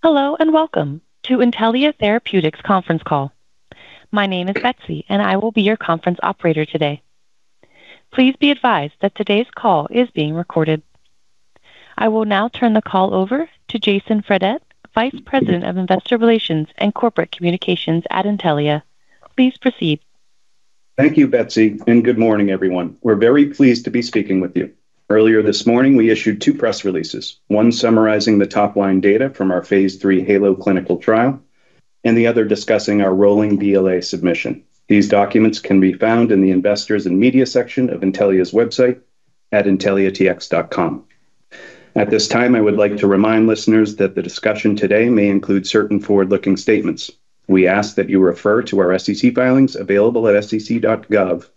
Hello, and welcome to Intellia Therapeutics conference call. My name is Betsy, and I will be your conference operator today. Please be advised that today's call is being recorded. I will now turn the call over to Jason Fredette, Vice President of Investor Relations and Corporate Communications at Intellia. Please proceed. Thank you, Betsy, and good morning, everyone. We're very pleased to be speaking with you. Earlier this morning, we issued two press releases, one summarizing the top line data from our phase III HAELO clinical trial, and the other discussing our rolling BLA submission. These documents can be found in the Investors and Media section of Intellia's web site at intelliatx.com. At this time, I would like to remind listeners that the discussion today may include certain forward-looking statements. We ask that you refer to our SEC filings available at sec.gov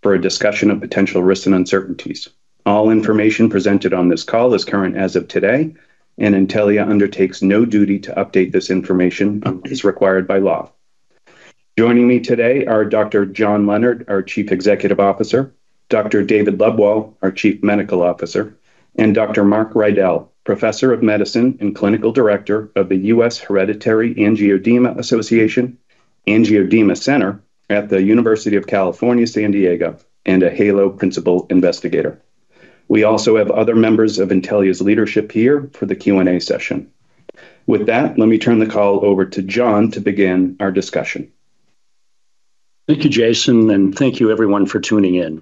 for a discussion of potential risks and uncertainties. All information presented on this call is current as of today, and Intellia undertakes no duty to update this information as required by law. Joining me today are Dr. John Leonard, our Chief Executive Officer, Dr. David Lebwohl, our Chief Medical Officer, and Dr. Marc Riedl, Professor of Medicine and Clinical Director of the US HAEA Angioedema Center at UC San Diego Health, and a HAELO principal investigator. We also have other members of Intellia's leadership here for the Q&A session. With that, let me turn the call over to John to begin our discussion. Thank you, Jason, and thank you everyone for tuning in.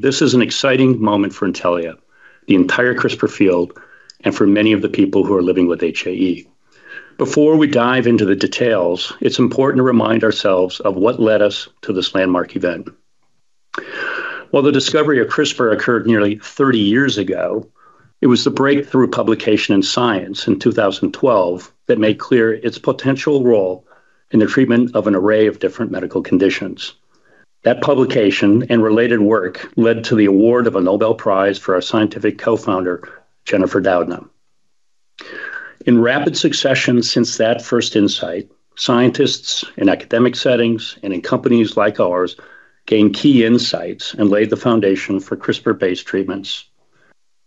This is an exciting moment for Intellia, the entire CRISPR field, and for many of the people who are living with HAE. Before we dive into the details, it's important to remind ourselves of what led us to this landmark event. While the discovery of CRISPR occurred nearly 30 years ago, it was the breakthrough publication in science in 2012 that made clear its potential role in the treatment of an array of different medical conditions. That publication and related work led to the award of a Nobel Prize for our scientific co-founder, Jennifer Doudna. In rapid succession since that first insight, scientists in academic settings and in companies like ours gained key insights and laid the foundation for CRISPR-based treatments.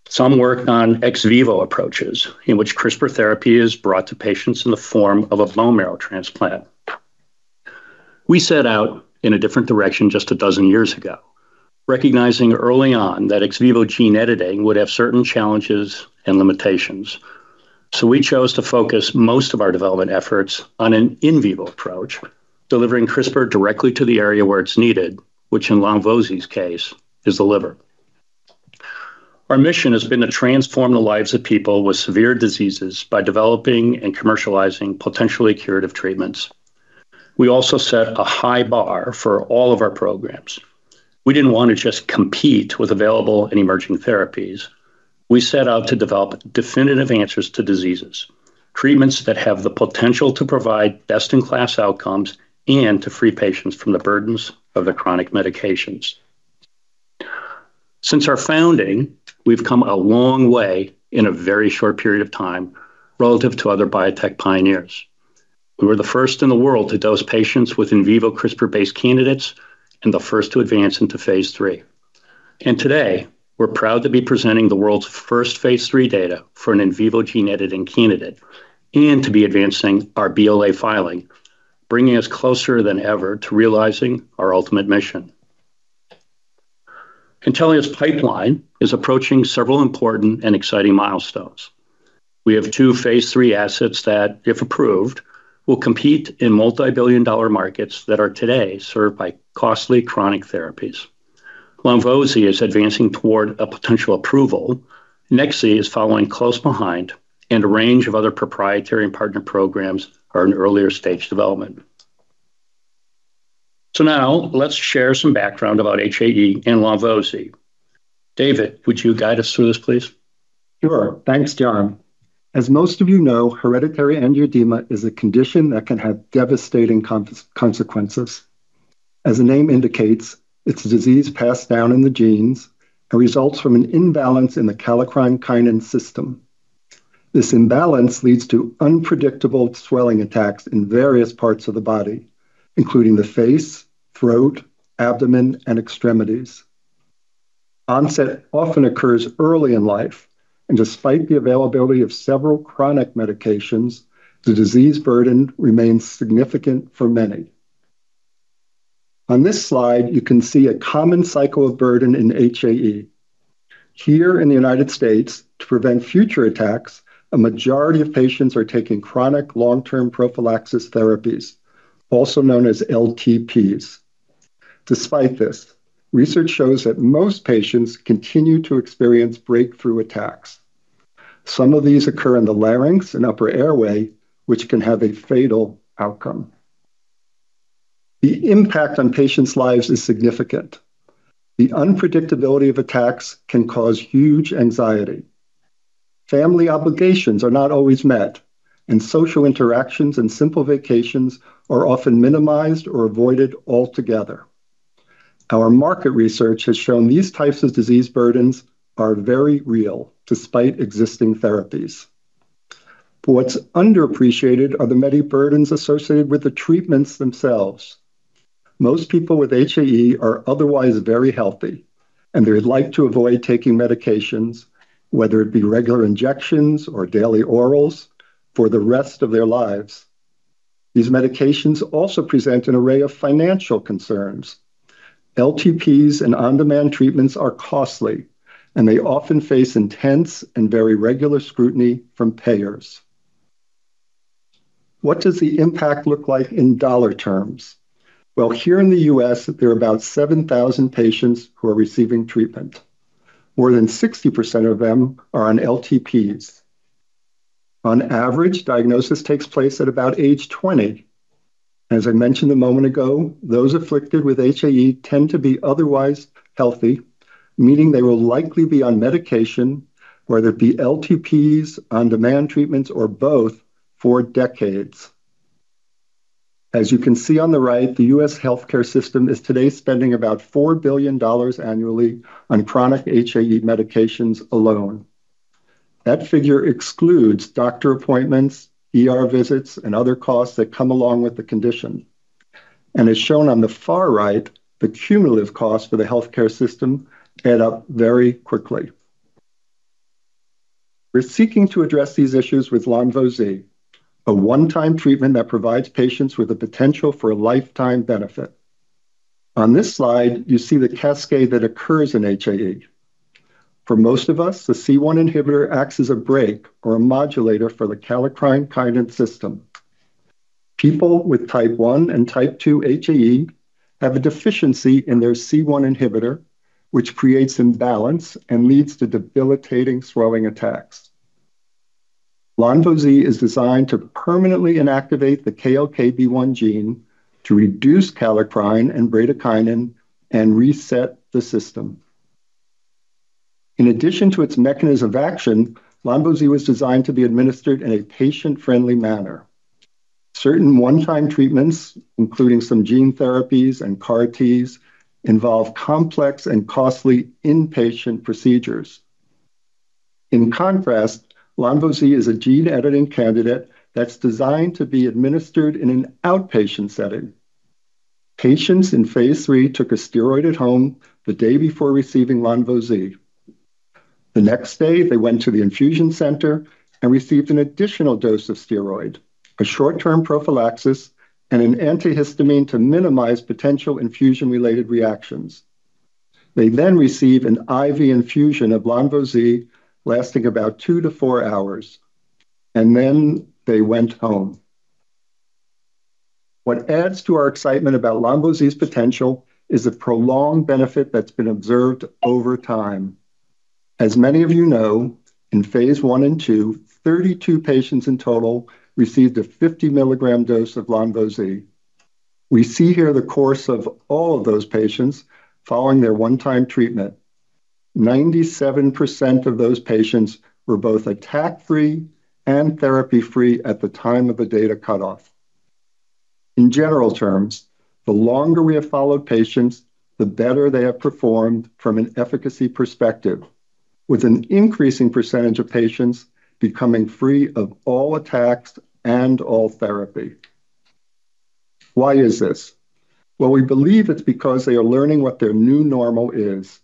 Some work on ex vivo approaches in which CRISPR therapy is brought to patients in the form of a bone marrow transplant. We set out in a different direction just a dozen years ago, recognizing early on that ex vivo gene editing would have certain challenges and limitations. We chose to focus most of our development efforts on an in vivo approach, delivering CRISPR directly to the area where it's needed, which in Lonvo-Z's case is the liver. Our mission has been to transform the lives of people with severe diseases by developing and commercializing potentially curative treatments. We also set a high bar for all of our programs. We didn't wanna just compete with available and emerging therapies. We set out to develop definitive answers to diseases, treatments that have the potential to provide best-in-class outcomes and to free patients from the burdens of the chronic medications. Since our founding, we've come a long way in a very short period of time relative to other biotech pioneers. We were the first in the world to dose patients with in vivo CRISPR-based candidates and the first to advance into phase III. Today, we're proud to be presenting the world's first phase III data for an in vivo gene-editing candidate and to be advancing our BLA filing, bringing us closer than ever to realizing our ultimate mission. Intellia's pipeline is approaching several important and exciting milestones. We have two phase III assets that, if approved, will compete in multi-billion-dollar markets that are today served by costly chronic therapies. Lonvo-z is advancing toward a potential approval. Nex-z is following close behind, and a range of other proprietary and partner programs are in earlier stage development. Now let's share some background about HAE and lonvo-z. David, would you guide us through this, please? Sure. Thanks, John. As most of you know, hereditary angioedema is a condition that can have devastating consequences. As the name indicates, it's a disease passed down in the genes and results from an imbalance in the kallikrein-kinin system. This imbalance leads to unpredictable swelling attacks in various parts of the body, including the face, throat, abdomen, and extremities. Onset often occurs early in life, and despite the availability of several chronic medications, the disease burden remains significant for many. On this slide, you can see a common cycle of burden in HAE. Here in the United States, to prevent future attacks, a majority of patients are taking chronic long-term prophylaxis therapies, also known as LTPs. Despite this, research shows that most patients continue to experience breakthrough attacks. Some of these occur in the larynx and upper airway, which can have a fatal outcome. The impact on patients' lives is significant. The unpredictability of attacks can cause huge anxiety. Family obligations are not always met, and social interactions and simple vacations are often minimized or avoided altogether. Our market research has shown these types of disease burdens are very real despite existing therapies. What's underappreciated are the many burdens associated with the treatments themselves. Most people with HAE are otherwise very healthy, and they would like to avoid taking medications, whether it be regular injections or daily orals, for the rest of their lives. These medications also present an array of financial concerns. LTPs and on-demand treatments are costly, and they often face intense and very regular scrutiny from payers. What does the impact look like in dollar terms? Well, here in the U.S., there are about 7,000 patients who are receiving treatment. More than 60% of them are on LTPs. On average, diagnosis takes place at about age 20. As I mentioned a moment ago, those afflicted with HAE tend to be otherwise healthy, meaning they will likely be on medication, whether it be LTPs, on-demand treatments, or both for decades. As you can see on the right, the U.S. healthcare system is today spending about $4 billion annually on chronic HAE medications alone. That figure excludes doctor appointments, ER visits, and other costs that come along with the condition. As shown on the far right, the cumulative costs for the healthcare system add up very quickly. We're seeking to address these issues with lonvo-z, a one-time treatment that provides patients with the potential for a lifetime benefit. On this slide, you see the cascade that occurs in HAE. For most of us, the C1 inhibitor acts as a brake or a modulator for the kallikrein-kinin system. People with type one and type two HAE have a deficiency in their C1 inhibitor, which creates imbalance and leads to debilitating swelling attacks. lonvo-z is designed to permanently inactivate the KLKB1 gene to reduce kallikrein and bradykinin and reset the system. In addition to its mechanism of action, lonvo-z was designed to be administered in a patient-friendly manner. Certain one-time treatments, including some gene therapies and CAR Ts, involve complex and costly inpatient procedures. In contrast, lonvo-z is a gene-editing candidate that's designed to be administered in an outpatient setting. Patients in phase III took a steroid at home the day before receiving lonvo-z. The next day, they went to the infusion center and received an additional dose of steroid, a short-term prophylaxis, and an antihistamine to minimize potential infusion-related reactions. They then receive an IV infusion of lonvo-z lasting about two to four hours, and then they went home. What adds to our excitement about lonvo-z's potential is the prolonged benefit that's been observed over time. As many of you know, in phase I and II, 32 patients in total received a 50-mg dose of lonvo-z. We see here the course of all of those patients following their one-time treatment. 97% of those patients were both attack-free and therapy-free at the time of the data cutoff. In general terms, the longer we have followed patients, the better they have performed from an efficacy perspective, with an increasing percentage of patients becoming free of all attacks and all therapy. Why is this? Well, we believe it's because they are learning what their new normal is.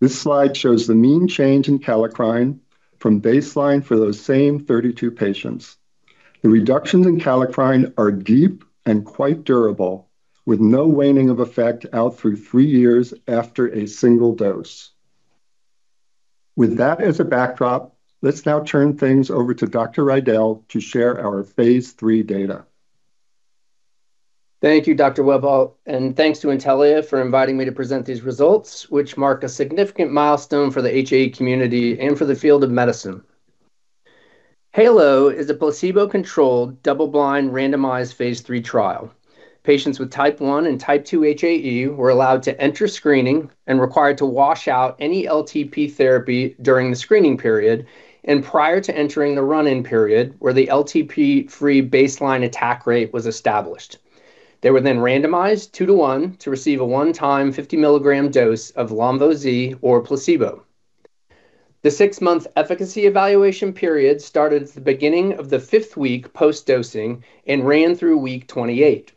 This slide shows the mean change in kallikrein from baseline for those same 32 patients. The reductions in kallikrein are deep and quite durable, with no waning of effect out through three years after a single dose. With that as a backdrop, let's now turn things over to Dr. Riedl to share our phase III data. Thank you, Dr. Lebwohl, and thanks to Intellia for inviting me to present these results, which mark a significant milestone for the HAE community and for the field of medicine. HAELO is a placebo-controlled, double-blind, randomized phase III trial. Patients with type one and type two HAE were allowed to enter screening and required to wash out any LTP therapy during the screening period and prior to entering the run-in period where the LTP-free baseline attack rate was established. They were then randomized two to one to receive a one-time 50-milligram dose of lonvo-z or placebo. The six-month efficacy evaluation period started at the beginning of the fifth week post-dosing and ran through week 28.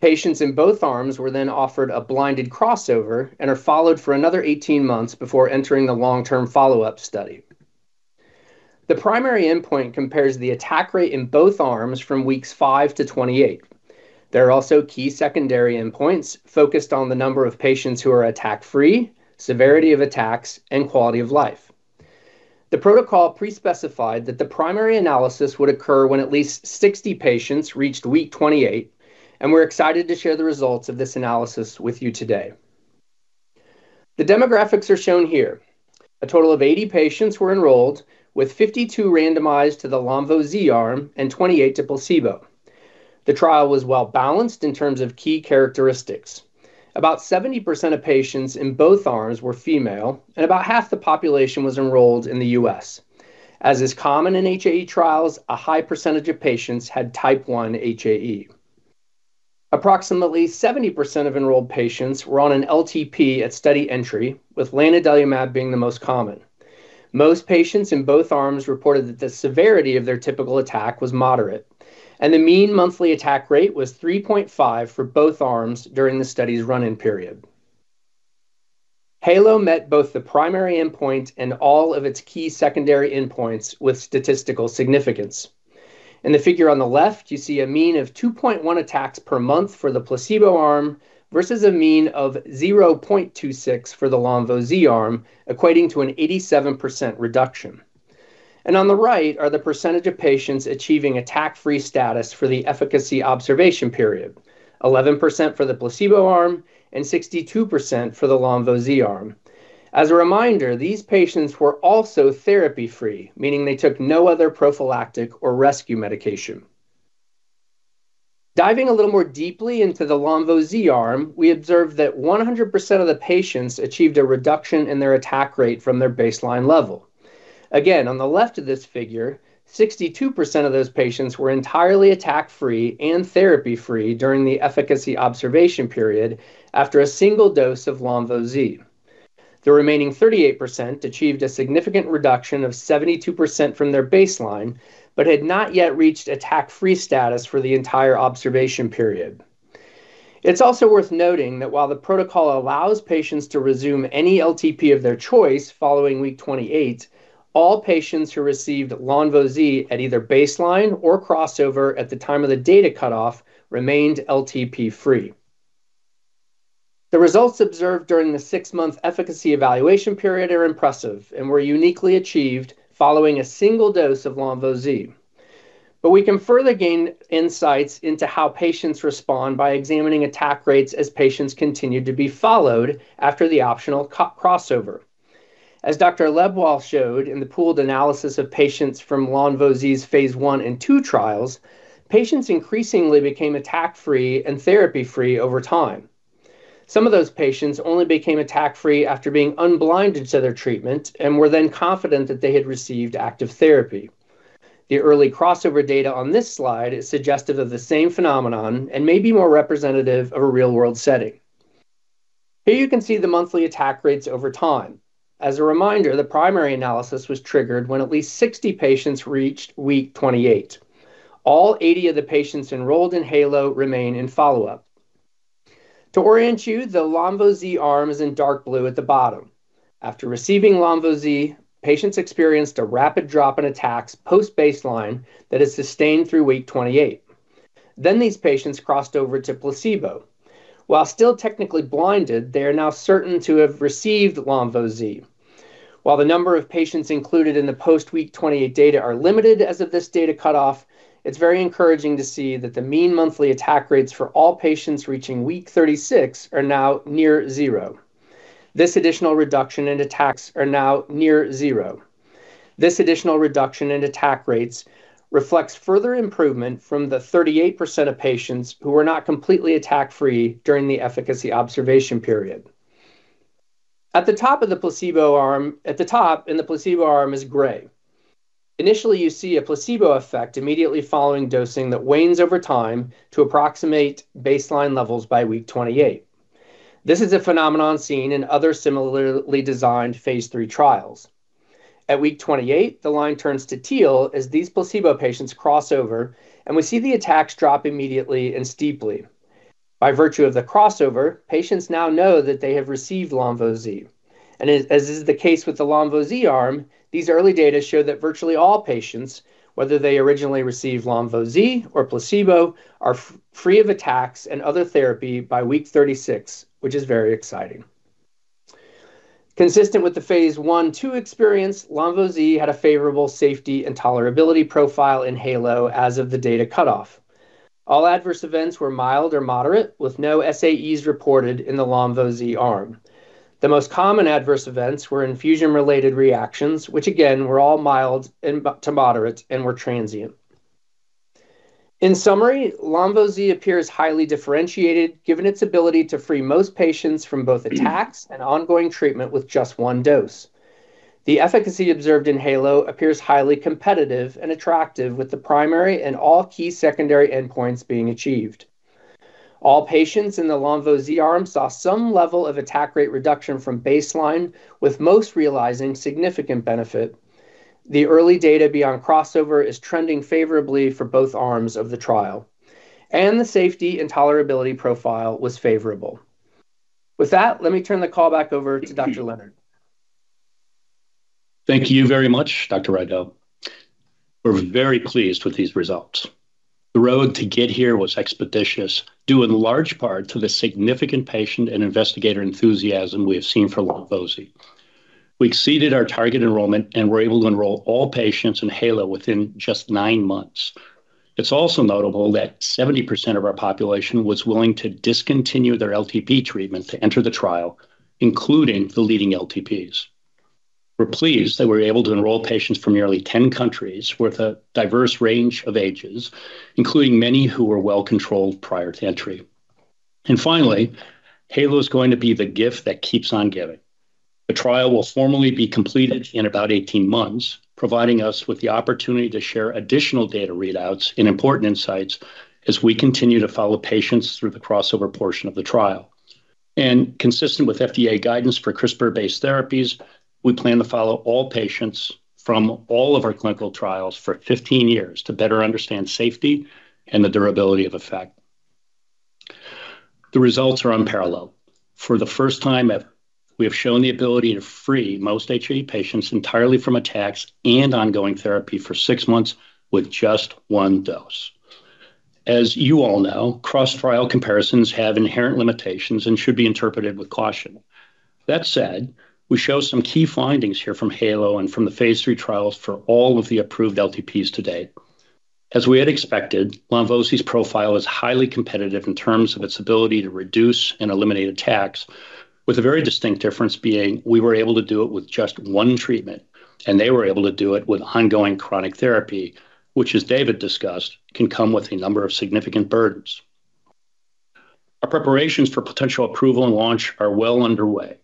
Patients in both arms were then offered a blinded crossover and are followed for another 18 months before entering the long-term follow-up study. The primary endpoint compares the attack rate in both arms from weeks five to 28. There are also key secondary endpoints focused on the number of patients who are attack-free, severity of attacks, and quality of life. The protocol pre-specified that the primary analysis would occur when at least 60 patients reached week 28, and we're excited to share the results of this analysis with you today. The demographics are shown here. A total of 80 patients were enrolled, with 52 randomized to the lonvo-z arm and 28 to placebo. The trial was well-balanced in terms of key characteristics. About 70% of patients in both arms were female, and about half the population was enrolled in the U.S. As is common in HAE trials, a high percentage of patients had Type 1 HAE. Approximately 70% of enrolled patients were on an LTP at study entry, with lanadelumab being the most common. Most patients in both arms reported that the severity of their typical attack was moderate, and the mean monthly attack rate was 3.5 for both arms during the study's run-in period. HAELO met both the primary endpoint and all of its key secondary endpoints with statistical significance. In the figure on the left, you see a mean of 2.1 attacks per month for the placebo arm versus a mean of 0.26 for the lonvo-z arm, equating to an 87% reduction. On the right are the percentage of patients achieving attack-free status for the efficacy observation period. 11% for the placebo arm and 62% for the lonvo-z arm. As a reminder, these patients were also therapy-free, meaning they took no other prophylactic or rescue medication. Diving a little more deeply into the lonvo-z arm, we observed that 100% of the patients achieved a reduction in their attack rate from their baseline level. Again, on the left of this figure, 62% of those patients were entirely attack-free and therapy-free during the efficacy observation period after a single dose of lonvo-z. The remaining 38% achieved a significant reduction of 72% from their baseline but had not yet reached attack-free status for the entire observation period. It's also worth noting that while the protocol allows patients to resume any LTP of their choice following week 28, all patients who received lonvo-z at either baseline or crossover at the time of the data cutoff remained LTP-free. The results observed during the six-month efficacy evaluation period are impressive and were uniquely achieved following a single dose of lonvo-z. We can further gain insights into how patients respond by examining attack rates as patients continued to be followed after the optional co-crossover. As Dr. Lebwohl showed in the pooled analysis of patients from lonvo-z's phase I and II trials, patients increasingly became attack-free and therapy-free over time. Some of those patients only became attack-free after being unblinded to their treatment and were then confident that they had received active therapy. The early crossover data on this slide is suggestive of the same phenomenon and may be more representative of a real-world setting. Here you can see the monthly attack rates over time. As a reminder, the primary analysis was triggered when at least 60 patients reached week 28. All 80 of the patients enrolled in HAELO remain in follow-up. To orient you, the lonvo-z arm is in dark blue at the bottom. After receiving lonvo-z, patients experienced a rapid drop in attacks post-baseline that is sustained through week 28. These patients crossed over to placebo. While still technically blinded, they are now certain to have received lonvo-z. While the number of patients included in the post-week 28 data are limited as of this data cutoff, it's very encouraging to see that the mean monthly attack rates for all patients reaching week 36 are now near zero. This additional reduction in attacks are now near zero. This additional reduction in attack rates reflects further improvement from the 38% of patients who were not completely attack-free during the efficacy observation period. At the top in the placebo arm is gray. Initially, you see a placebo effect immediately following dosing that wanes over time to approximate baseline levels by week 28. This is a phenomenon seen in other similarly designed phase III trials. At week 28, the line turns to teal as these placebo patient's crossover, and we see the attacks drop immediately and steeply. By virtue of the crossover, patients now know that they have received lonvo-z. As is the case with the lonvo-z arm, these early data show that virtually all patients, whether they originally received lonvo-z or placebo, are attack-free of attacks and other therapy by week 36, which is very exciting. Consistent with the phase I/II experience, lonvo-z had a favorable safety and tolerability profile in HAELO as of the data cutoff. All adverse events were mild or moderate, with no SAEs reported in the lonvo-z arm. The most common adverse events were infusion-related reactions, which again, were all mild and to moderate and were transient. In summary, lonvo-z appears highly differentiated, given its ability to free most patients from both attacks and ongoing treatment with just one dose. The efficacy observed in HAELO appears highly competitive and attractive, with the primary and all key secondary endpoints being achieved. All patients in the lonvo-z arm saw some level of attack rate reduction from baseline, with most realizing significant benefit. The early data beyond crossover is trending favorably for both arms of the trial, and the safety and tolerability profile was favorable. With that, let me turn the call back over to Dr. Leonard. Thank you very much, Dr. Riedl. We're very pleased with these results. The road to get here was expeditious, due in large part to the significant patient and investigator enthusiasm we have seen for Lonvo-z. We exceeded our target enrollment and were able to enroll all patients in HAELO within just nine months. It's also notable that 70% of our population was willing to discontinue their LTP treatment to enter the trial, including the leading LTPs. We're pleased that we were able to enroll patients from nearly 10 countries with a diverse range of ages, including many who were well-controlled prior to entry. Finally, HAELO is going to be the gift that keeps on giving. The trial will formally be completed in about 18 months, providing us with the opportunity to share additional data readouts and important insights as we continue to follow patients through the crossover portion of the trial. Consistent with FDA guidance for CRISPR-based therapies, we plan to follow all patients from all of our clinical trials for 15 years to better understand safety and the durability of effect. The results are unparalleled. For the first time ever, we have shown the ability to free most HAE patients entirely from attacks and ongoing therapy for six months with just one dose. As you all know, cross-trial comparisons have inherent limitations and should be interpreted with caution. That said, we show some key findings here from Halo and from the phase III trials for all of the approved LTPs to date. As we had expected, lonvo-z's profile is highly competitive in terms of its ability to reduce and eliminate attacks, with a very distinct difference being we were able to do it with just one treatment, and they were able to do it with ongoing chronic therapy, which, as David discussed, can come with a number of significant burdens. Our preparations for potential approval and launch are well underway.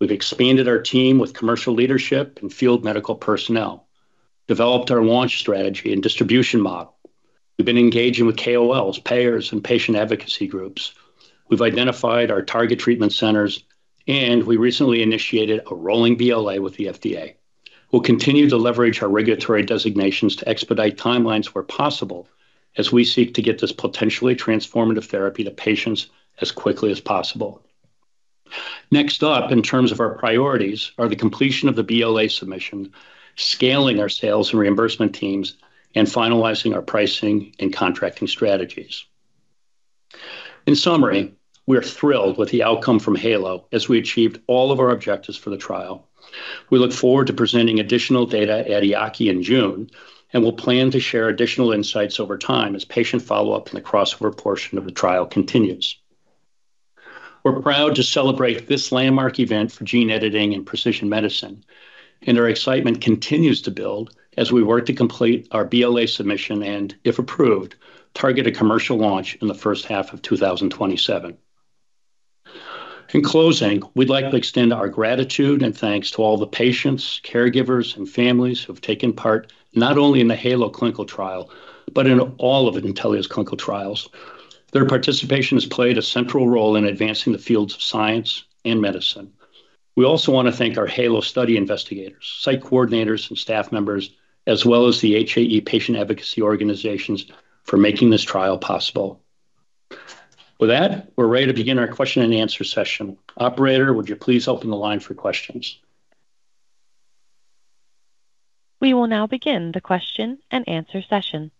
We've expanded our team with commercial leadership and field medical personnel, developed our launch strategy and distribution model. We've been engaging with KOLs, payers, and patient advocacy groups. We've identified our target treatment centers, and we recently initiated a rolling BLA with the FDA. We'll continue to leverage our regulatory designations to expedite timelines where possible as we seek to get this potentially transformative therapy to patients as quickly as possible. Next up, in terms of our priorities, are the completion of the BLA submission, scaling our sales and reimbursement teams, and finalizing our pricing and contracting strategies. In summary, we are thrilled with the outcome from HAELO as we achieved all of our objectives for the trial. We look forward to presenting additional data at EAACI in June, and we'll plan to share additional insights over time as patient follow-up in the crossover portion of the trial continues. We're proud to celebrate this landmark event for gene editing and precision medicine, and our excitement continues to build as we work to complete our BLA submission and, if approved, target a commercial launch in the first half of 2027. In closing, we'd like to extend our gratitude and thanks to all the patients, caregivers, and families who have taken part not only in the HAELO clinical trial, but in all of Intellia's clinical trials. Their participation has played a central role in advancing the fields of science and medicine. We also want to thank our HAELO study investigators, site coordinators, and staff members, as well as the HAE patient advocacy organizations for making this trial possible. With that, we're ready to begin our question-and-answer session. Operator, would you please open the line for questions? We will now begin the question-and-answer session.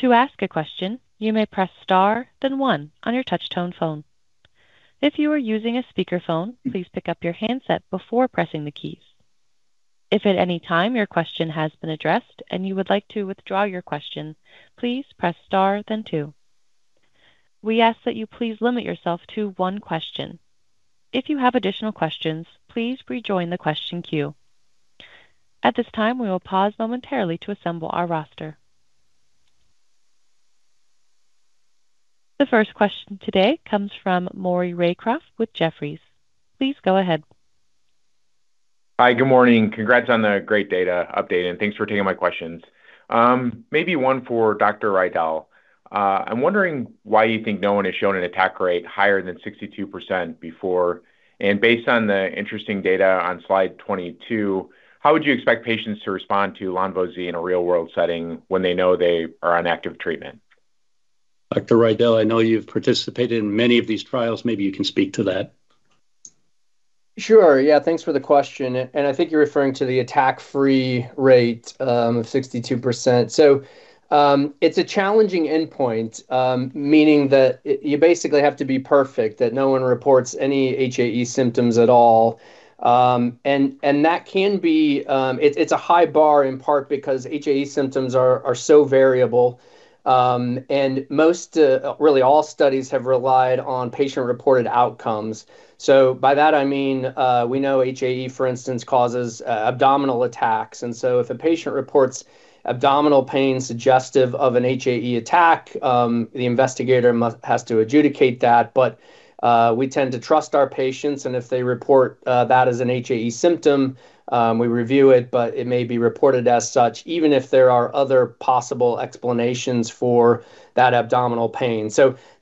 To ask a question, you may press star, then one on your touchtone phone. If you are using a speakerphone, please pick up your handset before pressing the keys. If at any time your question has been addressed and you would like to withdraw your question, please press star, then two. We ask that you please limit yourself to one question. If you have additional questions, please rejoin the question queue. At this time, we will pause momentarily to assemble our roster. The first question today comes from Maury Raycroft with Jefferies. Please go ahead. Hi, good morning. Congrats on the great data update, and thanks for taking my questions. Maybe one for Dr. Riedl. I'm wondering why you think no one has shown an attack rate higher than 62% before. Based on the interesting data on slide 22, how would you expect patients to respond to lonvo-z in a real-world setting when they know they are on active treatment? Dr. Riedl, I know you've participated in many of these trials. Maybe you can speak to that. Sure. Yeah, thanks for the question, and I think you're referring to the attack-free rate of 62%. It's a challenging endpoint, meaning that you basically have to be perfect, that no one reports any HAE symptoms at all. That can be a high bar in part because HAE symptoms are so variable. Most, really all studies have relied on patient-reported outcomes. By that I mean, we know HAE, for instance, causes abdominal attacks. If a patient reports abdominal pain suggestive of an HAE attack, the investigator has to adjudicate that. We tend to trust our patients, and if they report that as an HAE symptom, we review it, but it may be reported as such even if there are other possible explanations for that abdominal pain.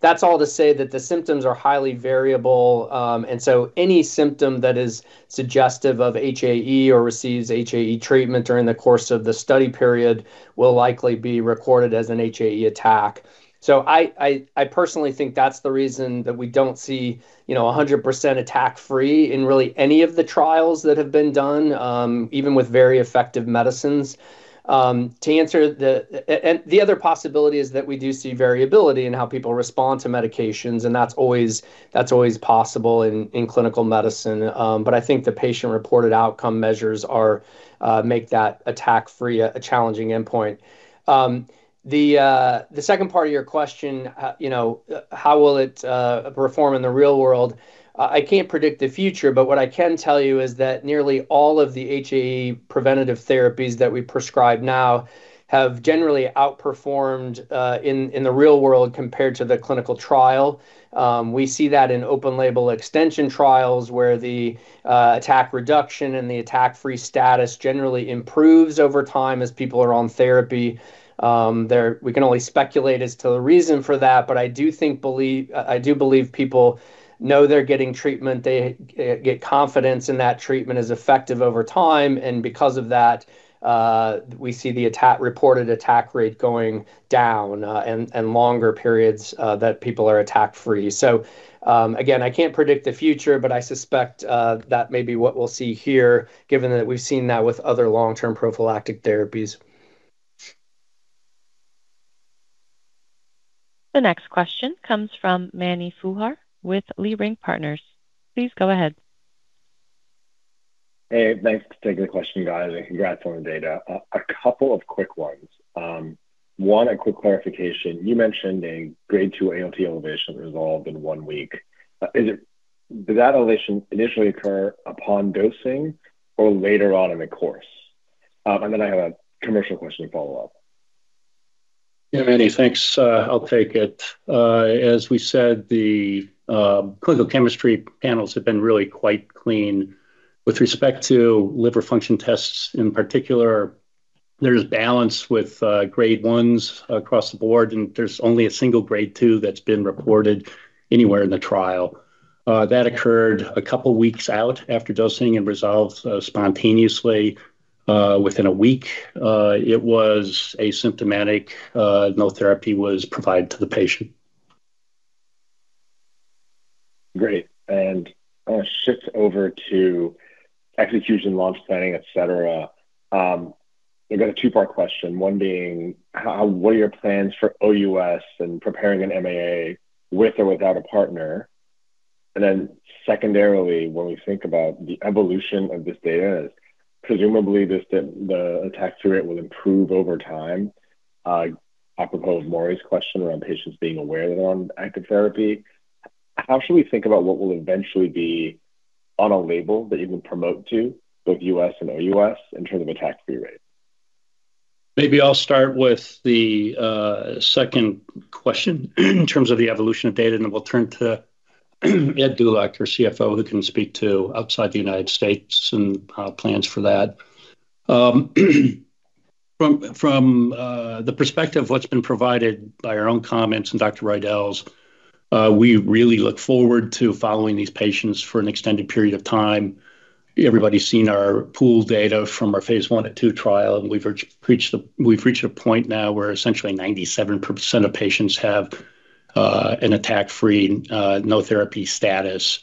That's all to say that the symptoms are highly variable, and so any symptom that is suggestive of HAE or receives HAE treatment during the course of the study period will likely be recorded as an HAE attack. I personally think that's the reason that we don't see, you know, 100% attack-free in really any of the trials that have been done, even with very effective medicines. To answer, the other possibility is that we do see variability in how people respond to medications, and that's always possible in clinical medicine. I think the patient-reported outcome measures are what make that attack-free a challenging endpoint. The second part of your question, you know, how will it perform in the real world? I can't predict the future, but what I can tell you is that nearly all of the HAE preventative therapies that we prescribe now have generally outperformed in the real world compared to the clinical trial. We see that in open label extension trials where the attack reduction and the attack-free status generally improves over time as people are on therapy. We can only speculate as to the reason for that, but I do believe people know they're getting treatment. They get confidence that the treatment is effective over time, and because of that, we see the reported attack rate going down and longer periods that people are attack-free. Again, I can't predict the future, but I suspect that may be what we'll see here, given that we've seen that with other long-term prophylactic therapies. The next question comes from Mani Foroohar with Leerink Partners. Please go ahead. Hey, thanks. Take the question, guys, and congrats on the data. I have a couple of quick ones. One, a quick clarification. You mentioned a Grade 2 ALT elevation resolved in one week. Did that elevation initially occur upon dosing or later on in the course? And then I have a commercial question to follow up. Yeah, Mani, thanks. I'll take it. As we said, the clinical chemistry panels have been really quite clean with respect to liver function tests in particular. There's balance with Grade 1s across the board, and there's only a single Grade 2 that's been reported anywhere in the trial. That occurred a couple weeks out after dosing and resolved spontaneously within a week. It was asymptomatic. No therapy was provided to the patient. Great. I'll shift over to execution, launch planning, et cetera. I got a two-part question. One being what are your plans for OUS and preparing an MAA with or without a partner? Secondarily, when we think about the evolution of this data, presumably this then the attack rate will improve over time, apropos of Maury's question around patients being aware that they're on active therapy. How should we think about what will eventually be on a label that you would promote to both U.S. and OUS in terms of attack-free rate? Maybe I'll start with the second question in terms of the evolution of data, and then we'll turn to Ed Dulac, our CFO, who can speak to outside the United States and plans for that. From the perspective of what's been provided by our own comments and Dr. Riedl's, we really look forward to following these patients for an extended period of time. Everybody's seen our pooled data from our phase I and II trial, and we've reached a point now where essentially 97% of patients have an attack-free, no therapy status.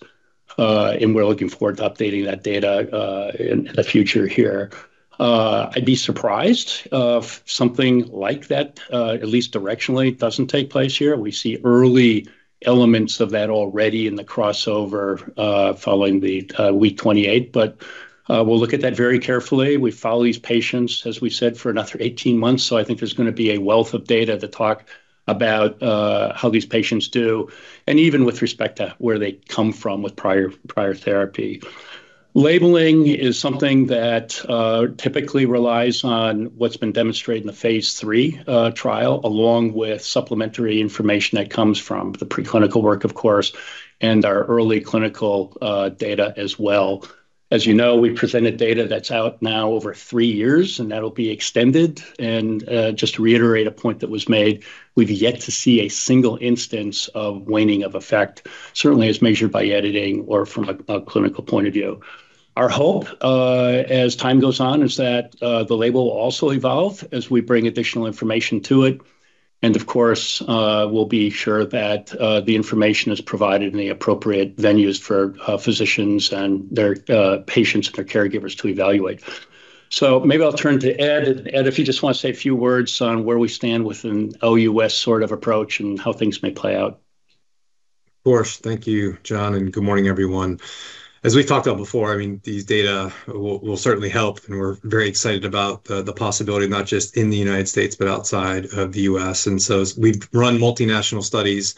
We're looking forward to updating that data in the future here. I'd be surprised if something like that, at least directionally, doesn't take place here. We see early elements of that already in the crossover following the week 28. We'll look at that very carefully. We follow these patients, as we said, for another 18 months, so I think there's gonna be a wealth of data to talk about how these patients do and even with respect to where they come from with prior therapy. Labeling is something that typically relies on what's been demonstrated in the phase III trial, along with supplementary information that comes from the preclinical work, of course, and our early clinical data as well. As you know, we presented data that's out now over three years, and that'll be extended. Just to reiterate a point that was made, we've yet to see a single instance of waning of effect, certainly as measured by editing or from a clinical point of view. Our hope, as time goes on is that the label will also evolve as we bring additional information to it. Of course, we'll be sure that the information is provided in the appropriate venues for physicians and their patients and their caregivers to evaluate. Maybe I'll turn to Ed. Ed, if you just wanna say a few words on where we stand with an OUS sort of approach and how things may play out. Of course. Thank you, John, and good morning, everyone. As we've talked about before, I mean, these data will certainly help, and we're very excited about the possibility, not just in the United States, but outside of the U.S. As we run multinational studies,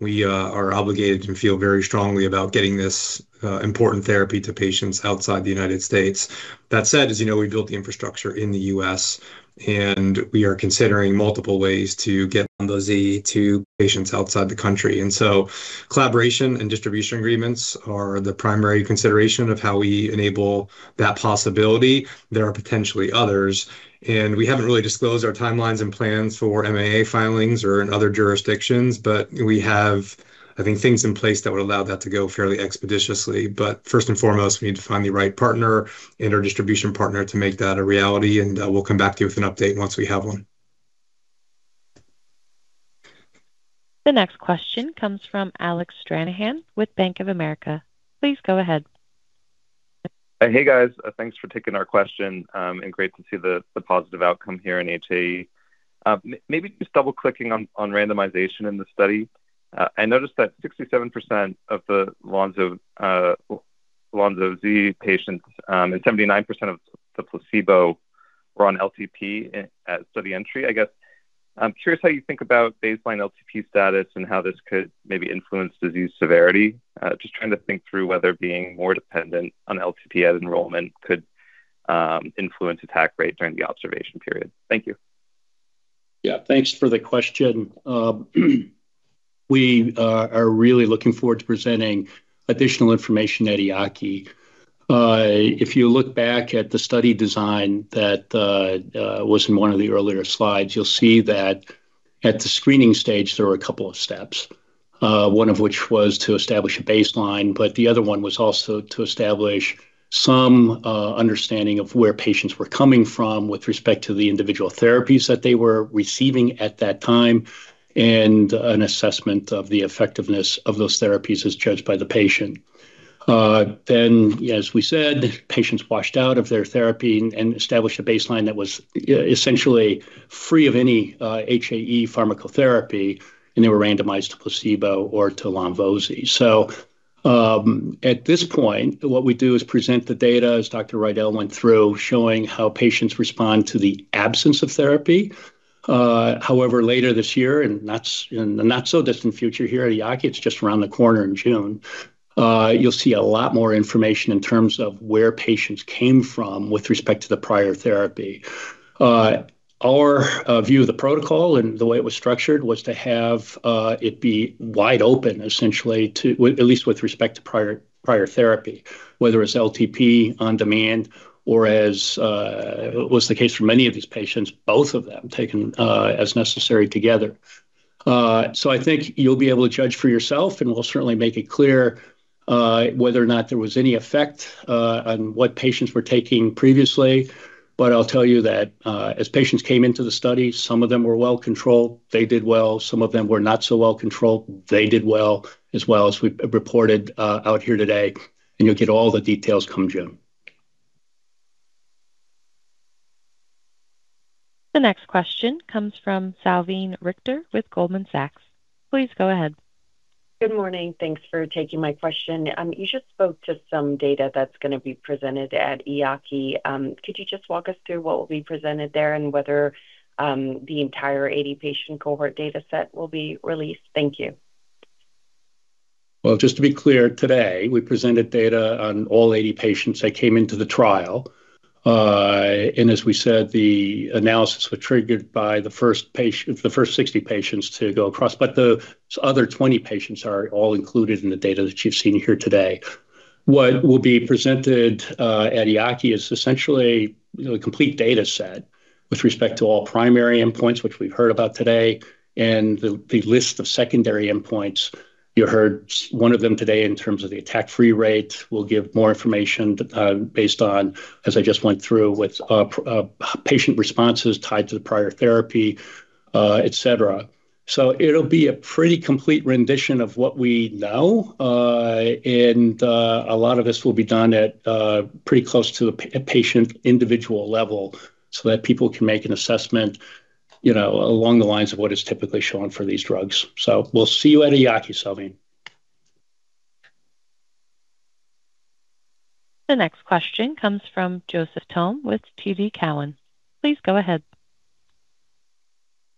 we are obligated and feel very strongly about getting this important therapy to patients outside the United States. That said, as you know, we built the infrastructure in the U.S., and we are considering multiple ways to get lonvo-z to patients outside the country. Collaboration and distribution agreements are the primary consideration of how we enable that possibility. There are potentially others. We haven't really disclosed our timelines and plans for MAA filings or in other jurisdictions, but we have, I think, things in place that would allow that to go fairly expeditiously. First and foremost, we need to find the right partner and our distribution partner to make that a reality, and we'll come back to you with an update once we have one. The next question comes from Alec Stranahan with Bank of America. Please go ahead. Hey, guys. Thanks for taking our question, and great to see the positive outcome here in HAE. Maybe just double-clicking on randomization in the study. I noticed that 67% of the lonvo-z patients, and 79% of the placebo were on LTP at study entry. I guess I'm curious how you think about baseline LTP status and how this could maybe influence disease severity. Just trying to think through whether being more dependent on LTP at enrollment could influence attack rate during the observation period. Thank you. Yeah, thanks for the question. We are really looking forward to presenting additional information at EAACI. If you look back at the study design that was in one of the earlier slides, you'll see that at the screening stage, there were a couple of steps, one of which was to establish a baseline. The other one was also to establish some understanding of where patients were coming from with respect to the individual therapies that they were receiving at that time and an assessment of the effectiveness of those therapies as judged by the patient. As we said, patients washed out of their therapy and established a baseline that was essentially free of any HAE pharmacotherapy, and they were randomized to placebo or to lonvo-z. At this point, what we do is present the data, as Dr. Riedl went through, showing how patients respond to the absence of therapy. However, later this year, and that's in the not-so-distant future here at EAACI, it's just around the corner in June, you'll see a lot more information in terms of where patients came from with respect to the prior therapy. Our view of the protocol and the way it was structured was to have it be wide open essentially to at least with respect to prior therapy. Whether it's LTP on demand or as was the case for many of these patients, both of them taken as necessary together. I think you'll be able to judge for yourself, and we'll certainly make it clear whether or not there was any effect on what patients were taking previously. I'll tell you that as patients came into the study, some of them were well controlled. They did well. Some of them were not so well controlled. They did well, as well as we reported out here today, and you'll get all the details come June. The next question comes from Salveen Richter with Goldman Sachs. Please go ahead. Good morning. Thanks for taking my question. You just spoke to some data that's gonna be presented at EAACI. Could you just walk us through what will be presented there and whether the entire 80-patient cohort data set will be released? Thank you. Well, just to be clear, today we presented data on all 80 patients that came into the trial. And as we said, the analysis were triggered by the first 60 patients to go across. But the other 20 patients are all included in the data that you've seen here today. What will be presented at EAACI is essentially, you know, a complete data set with respect to all primary endpoints, which we've heard about today, and the list of secondary endpoints. You heard one of them today in terms of the attack-free rate. We'll give more information based on, as I just went through, with patient responses tied to the prior therapy, et cetera. It'll be a pretty complete rendition of what we know. A lot of this will be done at pretty close to a patient individual level so that people can make an assessment, you know, along the lines of what is typically shown for these drugs. We'll see you at EAACI, Salveen. The next question comes from Joseph Thome with TD Cowen. Please go ahead.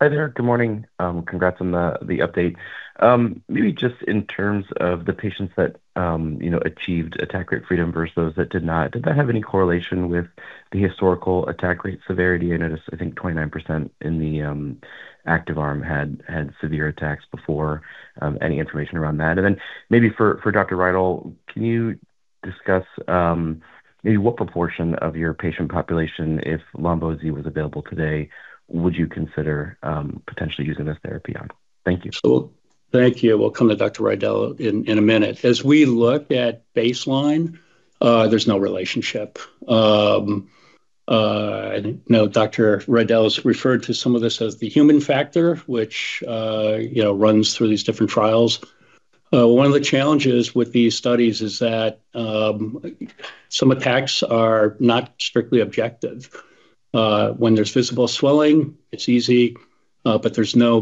Hi there. Good morning. Congrats on the update. Maybe just in terms of the patients that you know achieved attack rate freedom versus that did not, did that have any correlation with the historical attack rate severity? I noticed, I think, 29% in the active arm had severe attacks before. Any information around that? Then maybe for Dr. Riedl, can you discuss maybe what proportion of your patient population, if lonvo-z was available today, would you consider potentially using this therapy on? Thank you. Thank you. We'll come to Dr. Riedl in a minute. As we look at baseline, there's no relationship. I know Dr. Riedl has referred to some of this as the human factor, which you know runs through these different trials. One of the challenges with these studies is that some attacks are not strictly objective. When there's visible swelling, it's easy, but there's no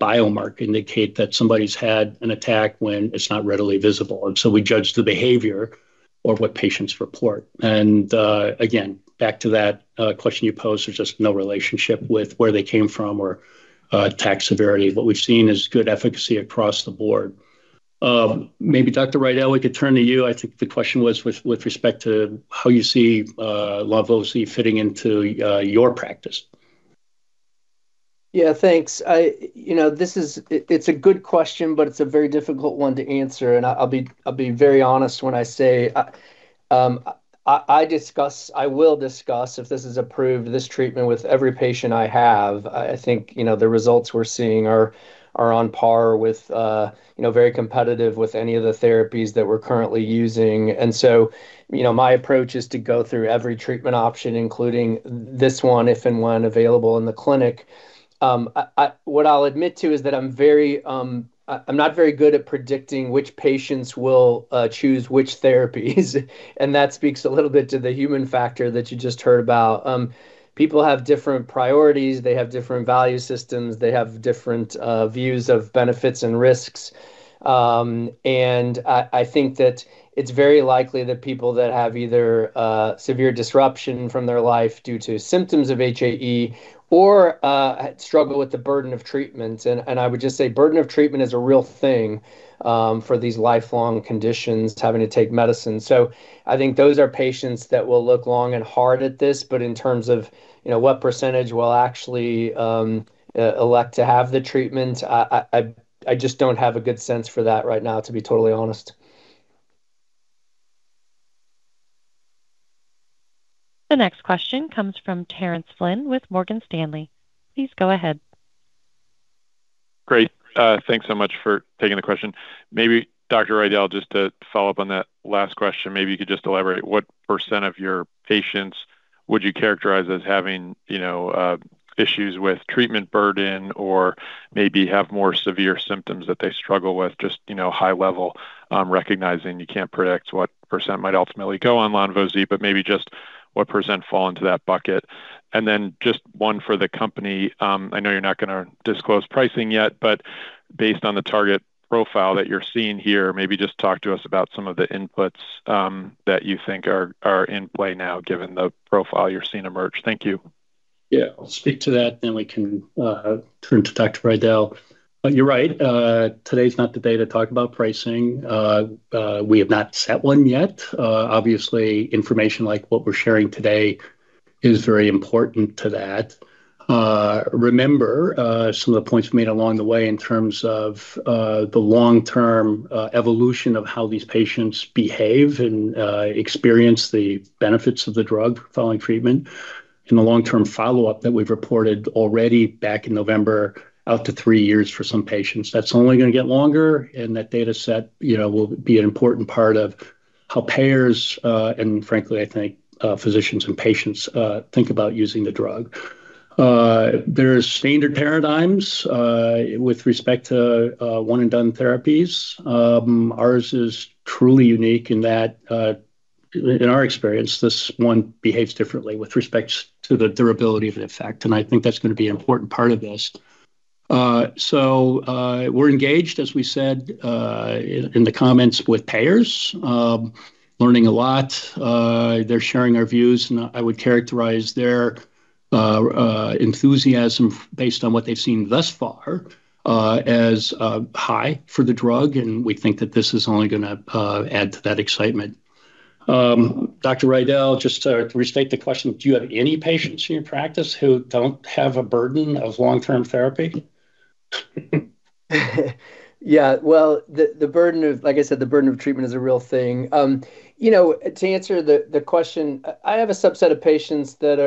biomarker to indicate that somebody's had an attack when it's not readily visible, and so we judge the behavior or what patients report. Again, back to that question you posed, there's just no relationship with where they came from or attack severity. What we've seen is good efficacy across the board. Maybe Dr. Riedl, we could turn to you. I think the question was with respect to how you see lonvo-z fitting into your practice. Thanks. You know, this is a good question, but it's a very difficult one to answer, and I'll be very honest when I say I will discuss, if this is approved, this treatment with every patient I have. I think, you know, the results we're seeing are on par with, you know, very competitive with any of the therapies that we're currently using. You know, my approach is to go through every treatment option, including this one, if and when available in the clinic. What I'll admit to is that I'm very I'm not very good at predicting which patients will choose which therapies and that speaks a little bit to the human factor that you just heard about. People have different priorities. They have different value systems. They have different views of benefits and risks. I think that it's very likely that people that have either severe disruption from their life due to symptoms of HAE or struggle with the burden of treatments. I would just say burden of treatment is a real thing for these lifelong conditions, having to take medicine. I think those are patients that will look long and hard at this. In terms of, you know, what percentage will actually elect to have the treatment, I just don't have a good sense for that right now, to be totally honest. The next question comes from Terence Flynn with Morgan Stanley. Please go ahead. Great. Thanks so much for taking the question. Maybe Dr. Riedl, just to follow up on that last question, maybe you could just elaborate what % of your patients would you characterize as having, you know, issues with treatment burden or maybe have more severe symptoms that they struggle with? Just, you know, high level, recognizing you can't predict what % might ultimately go on lonvo-z, but maybe just- What % fall into that bucket? Just one for the company, I know you're not gonna disclose pricing yet but based on the target profile that you're seeing here, maybe just talk to us about some of the inputs that you think are in play now given the profile you're seeing emerge. Thank you. Yeah, I'll speak to that, then we can turn to Dr. Riedl. You're right, today's not the day to talk about pricing. We have not set one yet. Obviously, information like what we're sharing today is very important to that. Remember, some of the points we made along the way in terms of the long-term evolution of how these patients behave and experience the benefits of the drug following treatment. In the long-term follow-up that we've reported already back in November, out to three years for some patients, that's only gonna get longer, and that data set, you know, will be an important part of how payers and frankly, I think, physicians and patients think about using the drug. There's standard paradigms with respect to one and done therapies. Ours is truly unique in that, in our experience, this one behaves differently with respect to the durability of the effect, and I think that's gonna be an important part of this. We're engaged, as we said, in the comments with payers, learning a lot. They're sharing our views, and I would characterize their enthusiasm based on what they've seen thus far, as high for the drug, and we think that this is only gonna add to that excitement. Dr. Riedl, just to restate the question, do you have any patients in your practice who don't have a burden of long-term therapy? Yeah. Well, like I said, the burden of treatment is a real thing. You know, to answer the question, I have a subset of patients that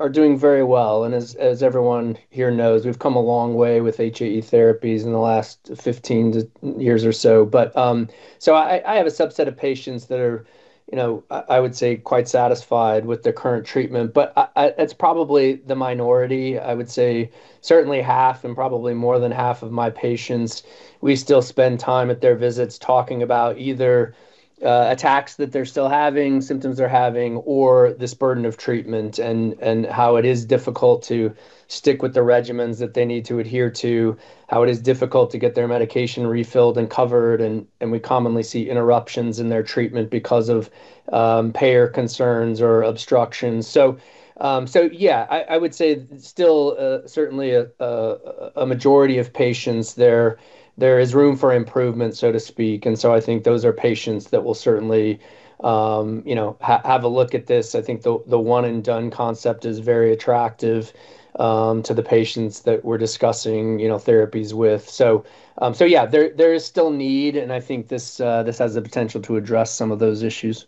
are doing very well. As everyone here knows, we've come a long way with HAE therapies in the last 15 years or so. I have a subset of patients that are, you know, I would say, quite satisfied with their current treatment. It's probably the minority. I would say certainly half and probably more than half of my patients we still spend time at their visits talking about either attacks that they're still having, symptoms they're having, or this burden of treatment and how it is difficult to stick with the regimens that they need to adhere to, how it is difficult to get their medication refilled and covered, and we commonly see interruptions in their treatment because of payer concerns or obstructions. Yeah. I would say still certainly a majority of patients there is room for improvement, so to speak. I think those are patients that will certainly you know have a look at this. I think the one and done concept is very attractive to the patients that we're discussing you know therapies with. There is still need, and I think this has the potential to address some of those issues.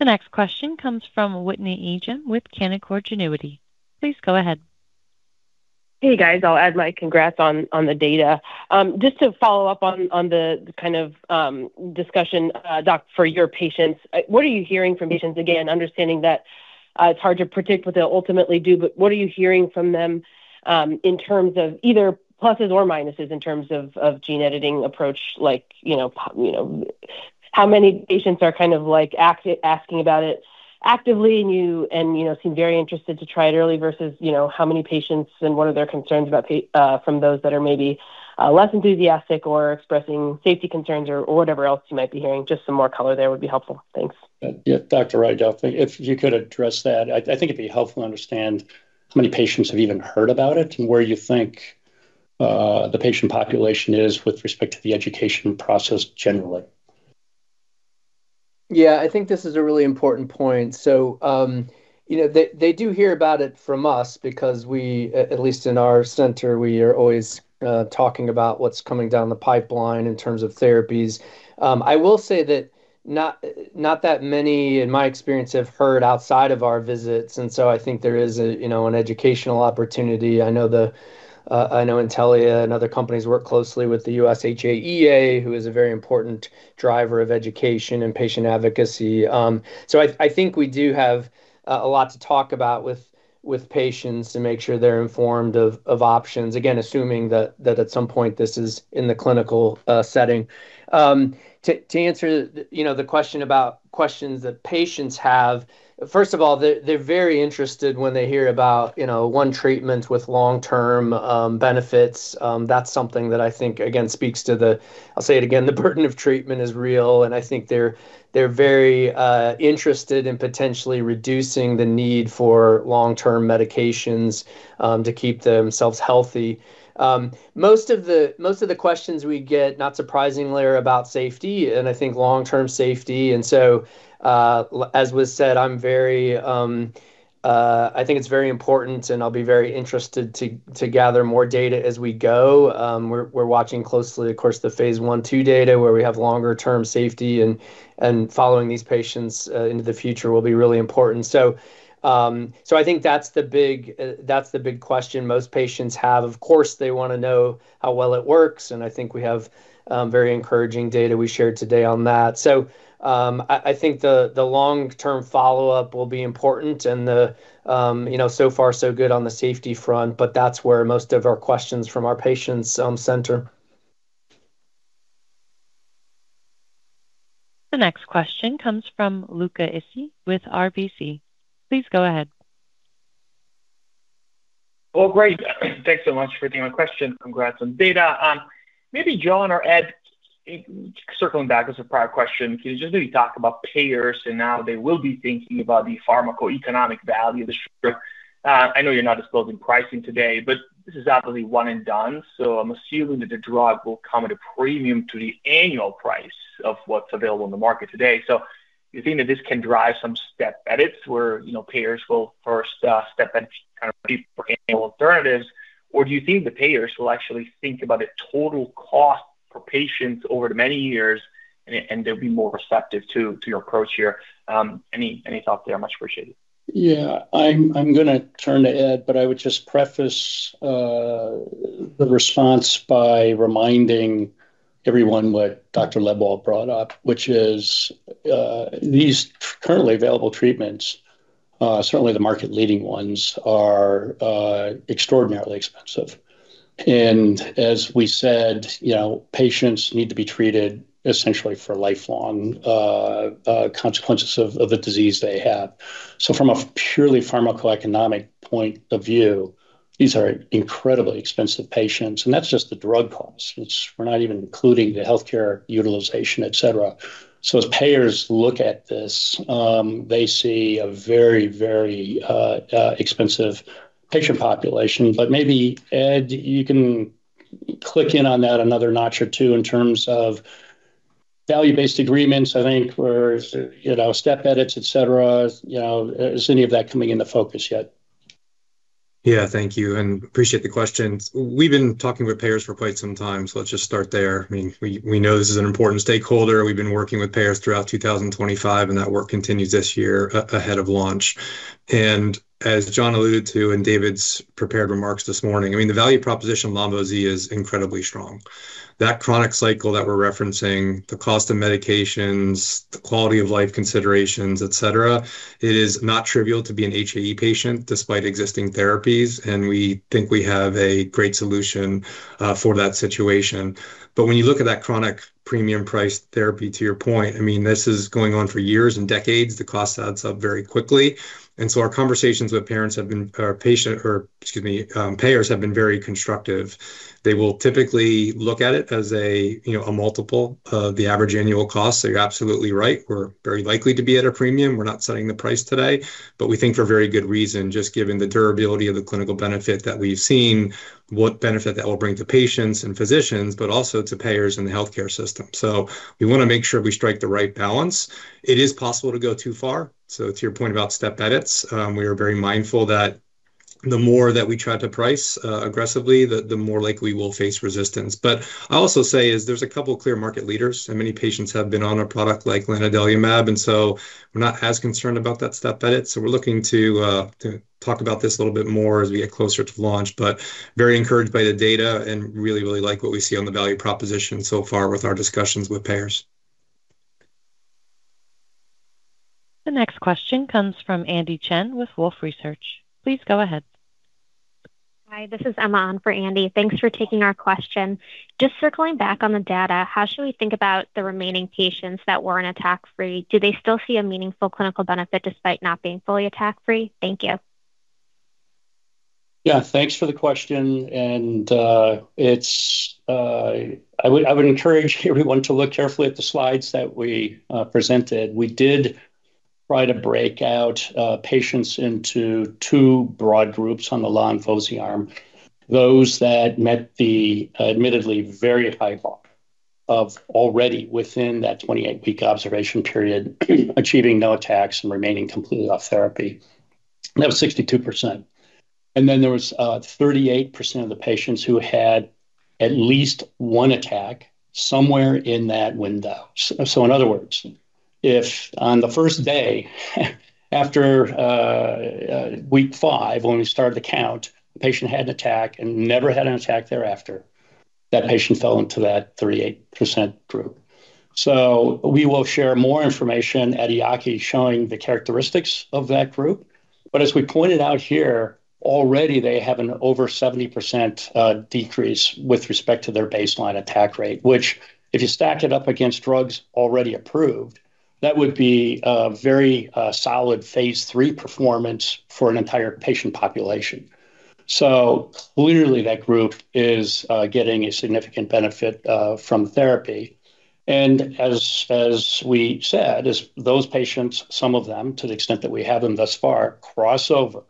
The next question comes from Whitney Ijem with Canaccord Genuity. Please go ahead. Hey, guys. I'll add my congrats on the data. Just to follow up on the kind of discussion, Doc, for your patients, what are you hearing from patients, again, understanding that it's hard to predict what they'll ultimately do, but what are you hearing from them in terms of either pluses or minuses in terms of gene editing approach? Like, you know, you know, how many patients are kind of like asking about it actively and you know seem very interested to try it early versus, you know, how many patients and what are their concerns about from those that are maybe less enthusiastic or expressing safety concerns or whatever else you might be hearing. Just some more color there would be helpful. Thanks. Yeah. Dr. Riedl, if you could address that. I think it'd be helpful to understand how many patients have even heard about it and where you think the patient population is with respect to the education process generally. Yeah. I think this is a really important point. They do hear about it from us because we, at least in our center, we are always talking about what's coming down the pipeline in terms of therapies. I will say that not that many in my experience have heard outside of our visits, and I think there is an educational opportunity. I know Intellia and other companies work closely with the US HAEA, who is a very important driver of education and patient advocacy. I think we do have a lot to talk about with patients to make sure they're informed of options, again, assuming that at some point this is in the clinical setting. To answer, you know, the question about questions that patients have, first of all, they're very interested when they hear about, you know, one treatment with long-term benefits. That's something that I think, again, speaks to the, I'll say it again, the burden of treatment is real, and I think they're very interested in potentially reducing the need for long-term medications to keep themselves healthy. Most of the questions we get, not surprisingly, are about safety, and I think long-term safety. As was said, I'm very I think it's very important, and I'll be very interested to gather more data as we go. We're watching closely, of course, the phase I/II data where we have longer term safety and following these patients into the future will be really important. I think that's the big question most patients have. Of course, they wanna know how well it works, and I think we have very encouraging data we shared today on that. I think the long-term follow-up will be important and you know, so far so good on the safety front, but that's where most of our questions from our patient center. The next question comes from Luca Issi with RBC. Please go ahead. Well, great. Thanks so much for taking my question. Congrats on data. Maybe John or Ed, circling back to some prior questions, can you just maybe talk about payers and how they will be thinking about the pharmacoeconomic value of this drug? I know you're not disclosing pricing today, but this is absolutely one and done, so I'm assuming that the drug will come at a premium to the annual price of what's available on the market today. Do you think that this can drive some step edits where, you know, payers will first step and kind of look for annual alternatives, or do you think the payers will actually think about the total cost for patients over the many years and they'll be more receptive to your approach here? Any thoughts there are much appreciated. Yeah. I'm gonna turn to Ed, but I would just preface the response by reminding everyone what Dr. Lebwohl brought up, which is these currently available treatments, certainly the market-leading ones, are extraordinarily expensive. As we said, you know, patients need to be treated essentially for lifelong consequences of the disease they have. From a purely pharmacoeconomic point of view, these are incredibly expensive patients, and that's just the drug costs. We're not even including the healthcare utilization, et cetera. As payers look at this, they see a very, very expensive patient population. Maybe, Ed, you can chime in on that another notch or two in terms of value-based agreements, I think, where, you know, step edits, et cetera, you know, is any of that coming into focus yet? Thank you, and I appreciate the question. We've been talking with payers for quite some time, so let's just start there. I mean, we know this is an important stakeholder. We've been working with payers throughout 2025, and that work continues this year ahead of launch. As John alluded to in David's prepared remarks this morning, I mean, the value proposition of lonvo-z is incredibly strong. That chronic cycle that we're referencing, the cost of medications, the quality-of-life considerations, etc., it is not trivial to be an HAE patient despite existing therapies, and we think we have a great solution for that situation. When you look at that chronic premium price therapy, to your point, I mean, this is going on for years and decades. The cost adds up very quickly. Our conversations with payers have been or patient Excuse me, payers have been very constructive. They will typically look at it as a, you know, a multiple of the average annual cost. You're absolutely right. We're very likely to be at a premium. We're not setting the price today, but we think for very good reason, just given the durability of the clinical benefit that we've seen, what benefit that will bring to patients and physicians, but also to payers in the healthcare system. We wanna make sure we strike the right balance. It is possible to go too far. To your point about step edits, we are very mindful that the more that we try to price aggressively, the more likely we'll face resistance. I'll also say is there's a couple clear market leaders, and many patients have been on a product like lanadelumab, and so we're not as concerned about that step edit. We're looking to talk about this a little bit more as we get closer to launch. Very encouraged by the data and really, really like what we see on the value proposition so far with our discussions with payers. The next question comes from Andy Chen with Wolfe Research. Please go ahead. Hi. This is Emma on for Andy. Thanks for taking our question. Just circling back on the data, how should we think about the remaining patients that weren't attack-free? Do they still see a meaningful clinical benefit despite not being fully attack-free? Thank you. Yeah. Thanks for the question. I would encourage everyone to look carefully at the slides that we presented. We did try to break out patients into two broad groups on the lonvo-z arm. Those that met the admittedly very high bar of already within that 28-week observation period achieving no attacks and remaining completely off therapy. That was 62%. Then there was 38% of the patients who had at least one attack somewhere in that window. In other words, if on the first day after week five, when we started the count, the patient had an attack and never had an attack thereafter, that patient fell into that 38% group. We will share more information at EAACI showing the characteristics of that group. As we pointed out here, already they have an over 70% decrease with respect to their baseline attack rate, which if you stack it up against drugs already approved, that would be a very solid phase III performance for an entire patient population. Clearly that group is getting a significant benefit from therapy. As we said, as those patients, some of them, to the extent that we have them thus far, cross over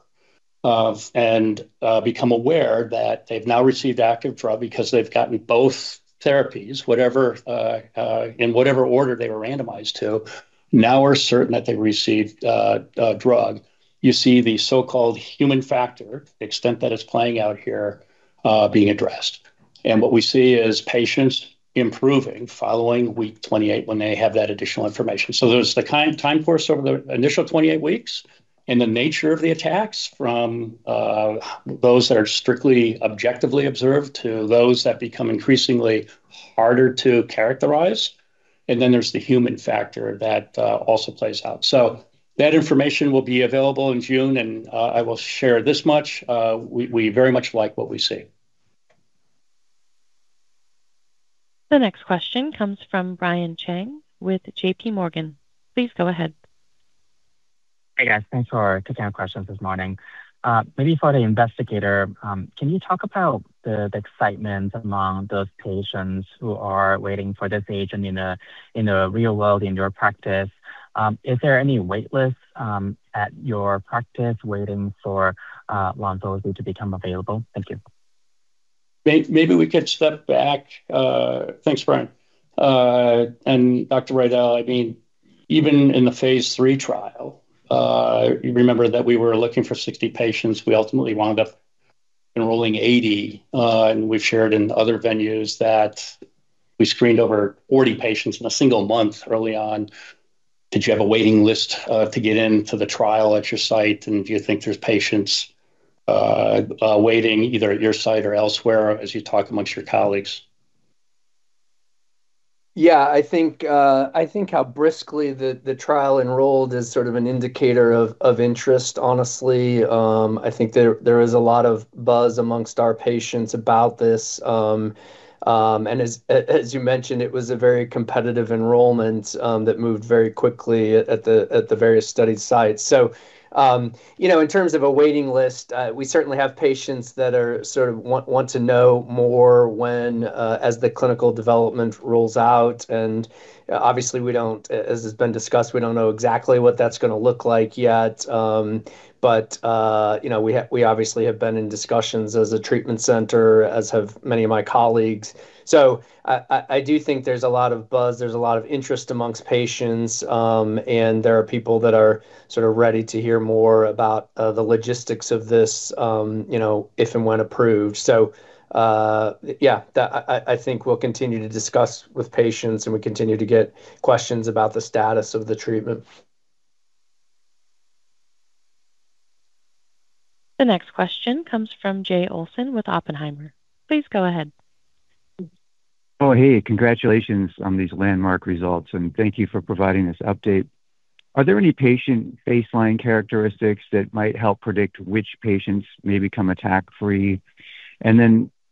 and become aware that they've now received active drug because they've gotten both therapies, whatever in whatever order they were randomized to, now are certain that they received a drug. You see the so-called human factor, the extent that it's playing out here, being addressed. What we see is patients improving following week 28 when they have that additional information. There's the time course over the initial 28 weeks and the nature of the attacks from those that are strictly objectively observed to those that become increasingly harder to characterize. Then there's the human factor that also plays out. That information will be available in June, and I will share this much. We very much like what we see. The next question comes from Brian Cheng with J.P. Morgan. Please go ahead. Hey, guys. Thanks for taking our questions this morning. Maybe for the investigator, can you talk about the excitement among those patients who are waiting for this agent in a real world, in your practice? Is there any wait lists at your practice waiting for lonvo-z to become available? Thank you. Maybe we could step back. Thanks, Brian. And Dr. Riedl, I mean, even in the phase III trial, you remember that we were looking for 60 patients. We ultimately wound up enrolling 80, and we've shared in other venues that we screened over 40 patients in a single month early on. Did you have a waiting list to get into the trial at your site? Do you think there's patients waiting either at your site or elsewhere as you talk amongst your colleagues? Yeah. I think how briskly the trial enrolled is sort of an indicator of interest, honestly. I think there is a lot of buzz amongst our patients about this. As you mentioned, it was a very competitive enrollment that moved very quickly at the various study sites. You know, in terms of a waiting list, we certainly have patients that are sort of want to know more when as the clinical development rolls out. Obviously, we don't, as it's been discussed, we don't know exactly what that's gonna look like yet. We obviously have been in discussions as a treatment center, as have many of my colleagues. I do think there's a lot of buzz, there's a lot of interest among patients, and there are people that are sort of ready to hear more about the logistics of this, you know, if and when approved. Yeah, that I think we'll continue to discuss with patients, and we continue to get questions about the status of the treatment. The next question comes from Jay Olson with Oppenheimer. Please go ahead. Oh, hey. Congratulations on these landmark results and thank you for providing this update. Are there any patient baseline characteristics that might help predict which patients may become attack free?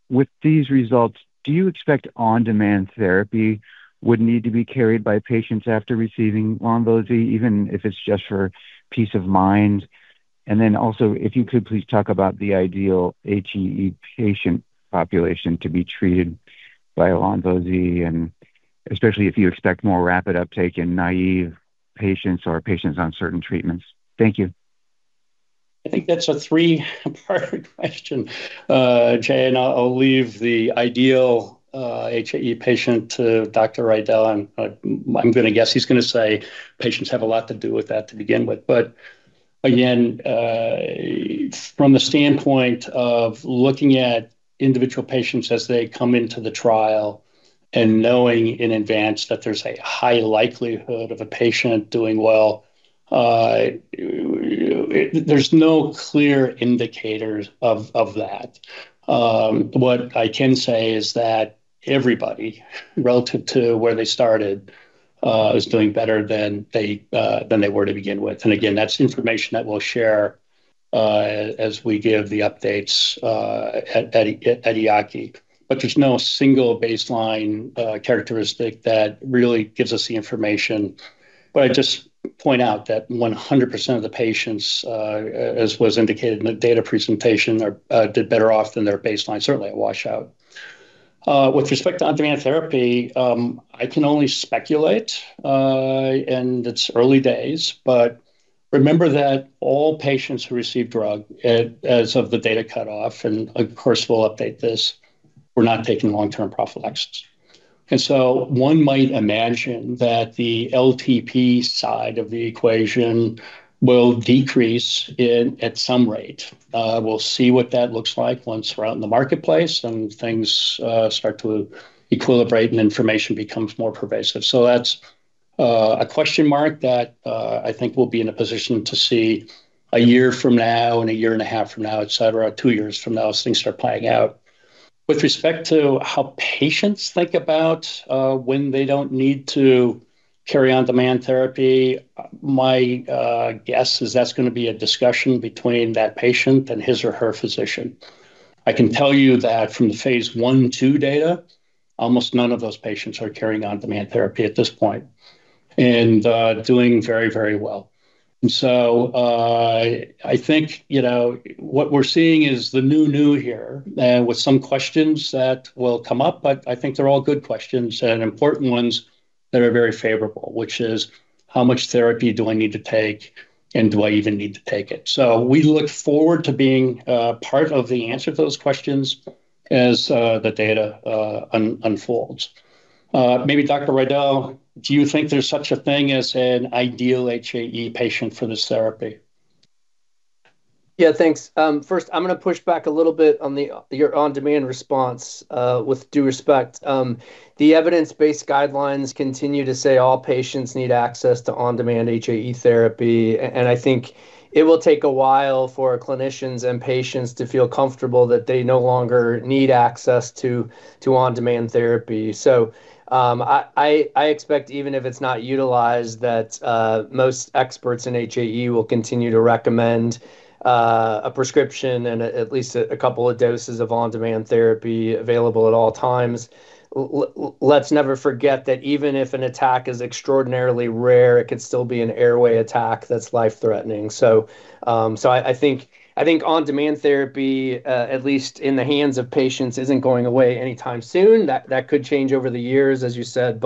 With these results, do you expect on-demand therapy would need to be carried by patients after receiving lonvo-z, even if it's just for peace of mind? If you could please talk about the ideal HAE patient population to be treated by lonvo-z, and especially if you expect more rapid uptake in naive patients or patients on certain treatments. Thank you. I think that's a three-part question, Jay, and I'll leave the ideal HAE patient to Dr. Riedl, and I'm gonna guess he's gonna say patients have a lot to do with that to begin with. Again, from the standpoint of looking at individual patients as they come into the trial and knowing in advance that there's a high likelihood of a patient doing well, there's no clear indicators of that. What I can say is that everybody relative to where they started is doing better than they were to begin with. Again, that's information that we'll share as we give the updates at EAACI. But there's no single baseline characteristic that really gives us the information. I just point out that 100% of the patients, as was indicated in the data presentation, did better off than their baseline, certainly at washout. With respect to on-demand therapy, I can only speculate, and it's early days, but remember that all patients who received drug, as of the data cutoff, and of course, we'll update this, were not taking long-term prophylaxis. One might imagine that the LTP side of the equation will decrease at some rate. We'll see what that looks like once we're out in the marketplace and things start to equilibrate and information becomes more pervasive. That's a question mark that I think we'll be in a position to see a year from now and 1.5 years from now, et cetera, two years from now as things start playing out. With respect to how patients think about when they don't need to carry on-demand therapy, my guess is that's gonna be a discussion between that patient and his or her physician. I can tell you that from the phase I and II data, almost none of those patients are carrying on-demand therapy at this point and doing very, very well. I think, you know, what we're seeing is the new new here with some questions that will come up, but I think they're all good questions and important ones that are very favorable, which is, how much therapy do I need to take, and do I even need to take it? We look forward to being part of the answer to those questions as the data unfolds. Maybe Dr. Riedl, do you think there's such a thing as an ideal HAE patient for this therapy? Yeah, thanks. First I'm gonna push back a little bit on your on-demand response with due respect. The evidence-based guidelines continue to say all patients need access to on-demand HAE therapy. I think it will take a while for clinicians and patients to feel comfortable that they no longer need access to on-demand therapy. I expect even if it's not utilized that most experts in HAE will continue to recommend a prescription and at least a couple of doses of on-demand therapy available at all times. Let's never forget that even if an attack is extraordinarily rare, it could still be an airway attack that's life-threatening. I think on-demand therapy at least in the hands of patients isn't going away anytime soon. That could change over the years, as you said.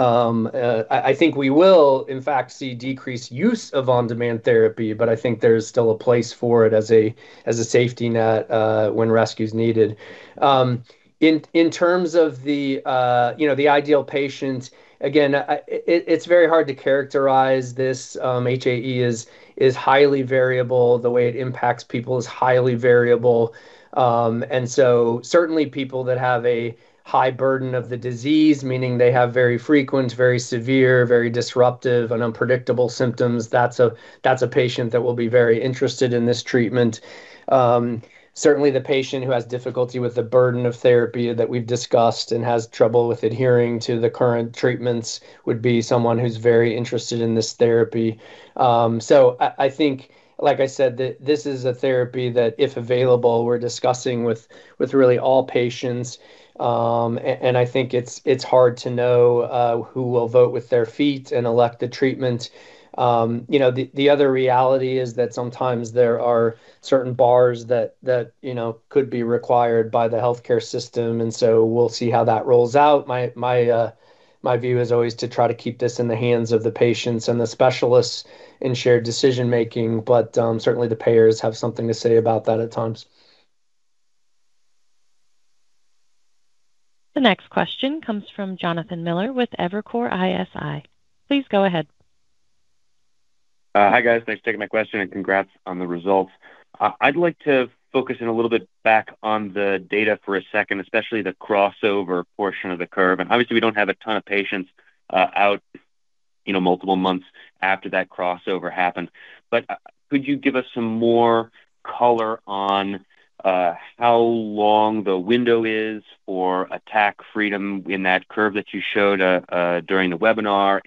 I think we will in fact see decreased use of on-demand therapy, but I think there's still a place for it as a safety net when rescues needed. In terms of you know the ideal patient, again, it's very hard to characterize this. HAE is highly variable. The way it impacts people is highly variable. Certainly, people that have a high burden of the disease, meaning they have very frequent, very severe, very disruptive and unpredictable symptoms, that's a patient that will be very interested in this treatment. Certainly the patient who has difficulty with the burden of therapy that we've discussed and has trouble with adhering to the current treatments would be someone who's very interested in this therapy. I think, like I said, this is a therapy that, if available, we're discussing with really all patients. I think it's hard to know who will vote with their feet and elect the treatment. You know, the other reality is that sometimes there are certain bars that you know could be required by the healthcare system, and so we'll see how that rolls out. My view is always to try to keep this in the hands of the patients and the specialists in shared decision-making, but certainly the payers have something to say about that at times. The next question comes from Jonathan Miller with Evercore ISI. Please go ahead. Hi guys. Thanks for taking my question, and congrats on the results. I'd like to focus on a little bit back on the data for a second, especially the crossover portion of the curve. Obviously, we don't have a ton of patients, out, you know, multiple months after that crossover happened. Could you give us some more color on how long the window is for attack freedom in that curve that you showed during the webinar?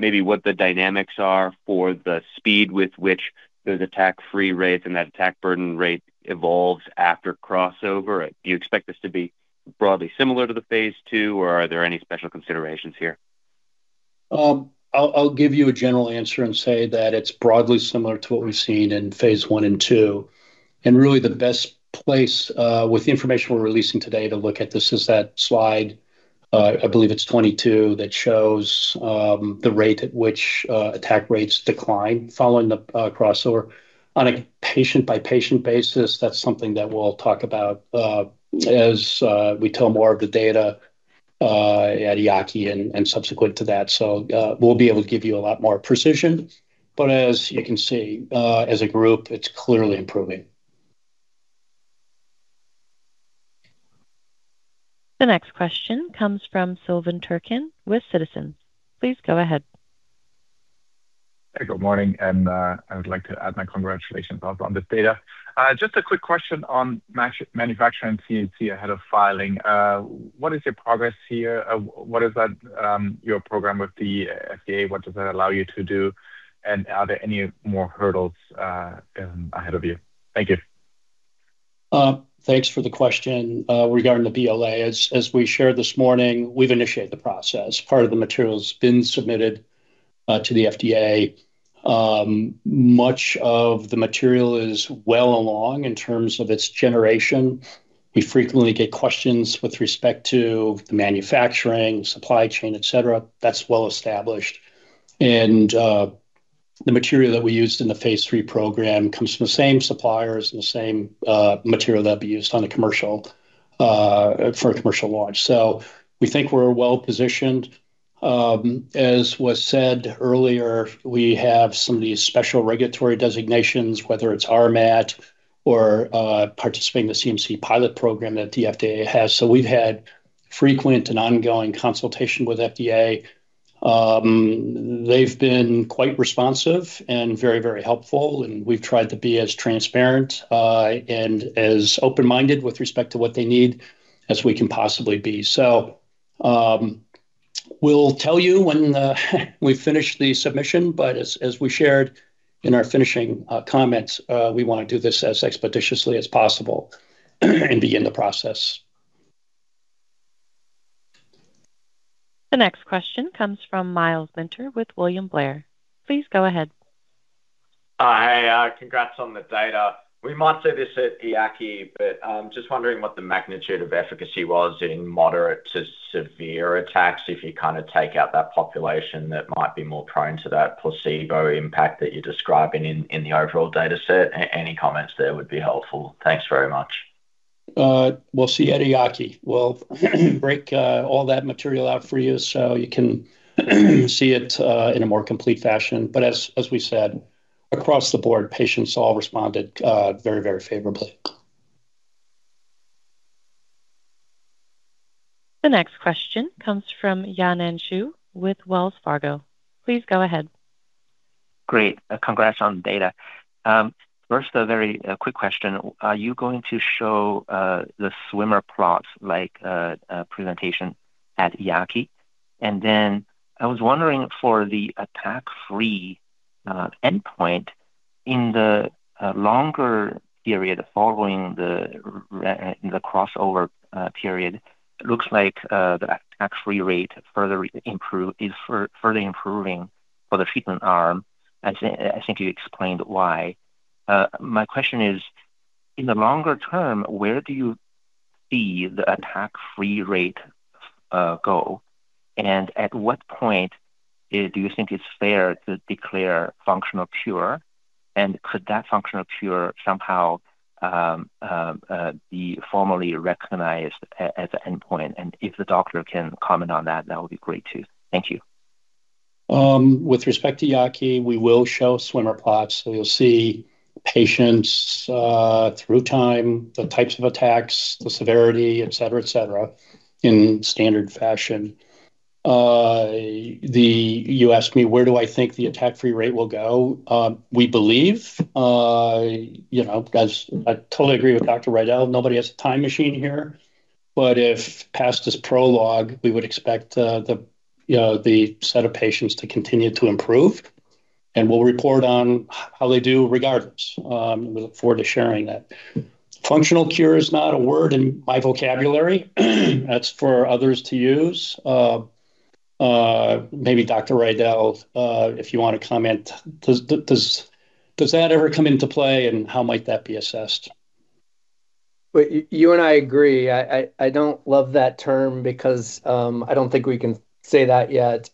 Maybe what the dynamics are for the speed with which those attack free rates and that attack burden rate evolves after crossover. Do you expect this to be broadly similar to the phase II, or are there any special considerations here? I'll give you a general answer and say that it's broadly similar to what we've seen in phase I and II. Really the best place with the information we're releasing today to look at this is that slide, I believe it's 22, that shows the rate at which attack rates decline following the crossover. On a patient-by-patient basis, that's something that we'll talk about as we tell more of the data at EAACI and subsequent to that. We'll be able to give you a lot more precision. As you can see, as a group, it's clearly improving. The next question comes from Silvan Turkcan with Citizens. Please go ahead. Good morning, I would like to add my congratulations also on this data. Just a quick question on manufacturing CMC ahead of filing. What is your progress here? What is that, your program with the FDA, what does that allow you to do? Are there any more hurdles ahead of you? Thank you. Thanks for the question regarding the BLA. As we shared this morning, we've initiated the process. Part of the material's been submitted to the FDA. Much of the material is well along in terms of its generation. We frequently get questions with respect to the manufacturing, supply chain, et cetera. That's well established. The material that we used in the phase III program comes from the same suppliers and the same material that'd be used for a commercial launch. We think we're well-positioned. As was said earlier, we have some of these special regulatory designations, whether it's RMAT or participating in the CMC pilot program that the FDA has. We've had frequent and ongoing consultation with FDA. They've been quite responsive and very, very helpful, and we've tried to be as transparent and as open-minded with respect to what they need as we can possibly be. We'll tell you when we finish the submission, but as we shared in our finishing comments, we wanna do this as expeditiously as possible and begin the process. The next question comes from Myles Minter with William Blair. Please go ahead. Hi. Congrats on the data. We might say this at IAC, but I'm just wondering what the magnitude of efficacy was in moderate to severe attacks, if you kind of take out that population that might be more prone to that placebo impact that you're describing in the overall data set. Any comments there would be helpful. Thanks very much. We'll see at EAACI. We'll break all that material out for you so you can see it in a more complete fashion. As we said, across the board, patients all responded very, very favorably. The next question comes from Yanan Zhu with Wells Fargo. Please go ahead. Great. Congrats on the data. First, a very quick question. Are you going to show the swimmer plots like the presentation at EAACI? And then I was wondering for the attack-free endpoint, in the longer period following the crossover period, looks like the attack-free rate is further improving for the treatment arm. I think you explained why. My question is, in the longer term, where do you see the attack-free rate go? And at what point do you think it's fair to declare functional cure, and could that functional cure somehow be formally recognized as an endpoint? And if the doctor can comment on that would be great too. Thank you. With respect to EAACI, we will show swimmer plots. You'll see patients through time, the types of attacks, the severity, et cetera, in standard fashion. You asked me where do I think the attack-free rate will go. We believe, you know, as I totally agree with Dr. Riedl, nobody has a time machine here. If past is prologue, we would expect, you know, the set of patients to continue to improve, and we'll report on how they do regardless. We look forward to sharing that. Functional cure is not a word in my vocabulary. That's for others to use. Maybe Dr. Riedl, if you wanna comment, does that ever come into play, and how might that be assessed? Well, you and I agree. I don't love that term because I don't think we can say that yet.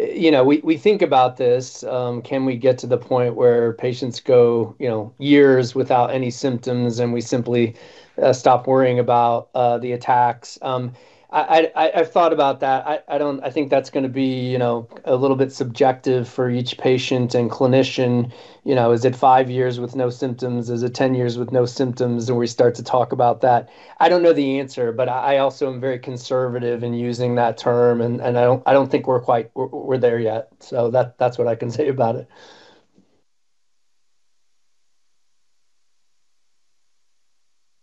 You know, we think about this, can we get to the point where patients go, you know, years without any symptoms, and we simply stop worrying about the attacks? I've thought about that. I think that's gonna be, you know, a little bit subjective for each patient and clinician. You know, is it five years with no symptoms? Is it 10 years with no symptoms, and we start to talk about that? I don't know the answer, but I also am very conservative in using that term, and I don't think we're there yet. That's what I can say about it.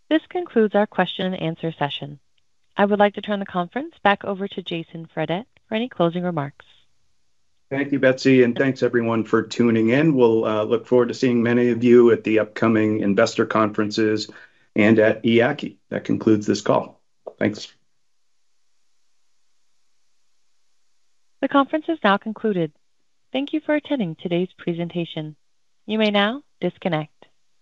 This concludes our question and answer session. I would like to turn the conference back over to Jason Fredette for any closing remarks. Thank you, Betsy, and thanks everyone for tuning in. We'll look forward to seeing many of you at the upcoming investor conferences and at EAACI. That concludes this call. Thanks. The conference is now concluded. Thank you for attending today's presentation. You may now disconnect.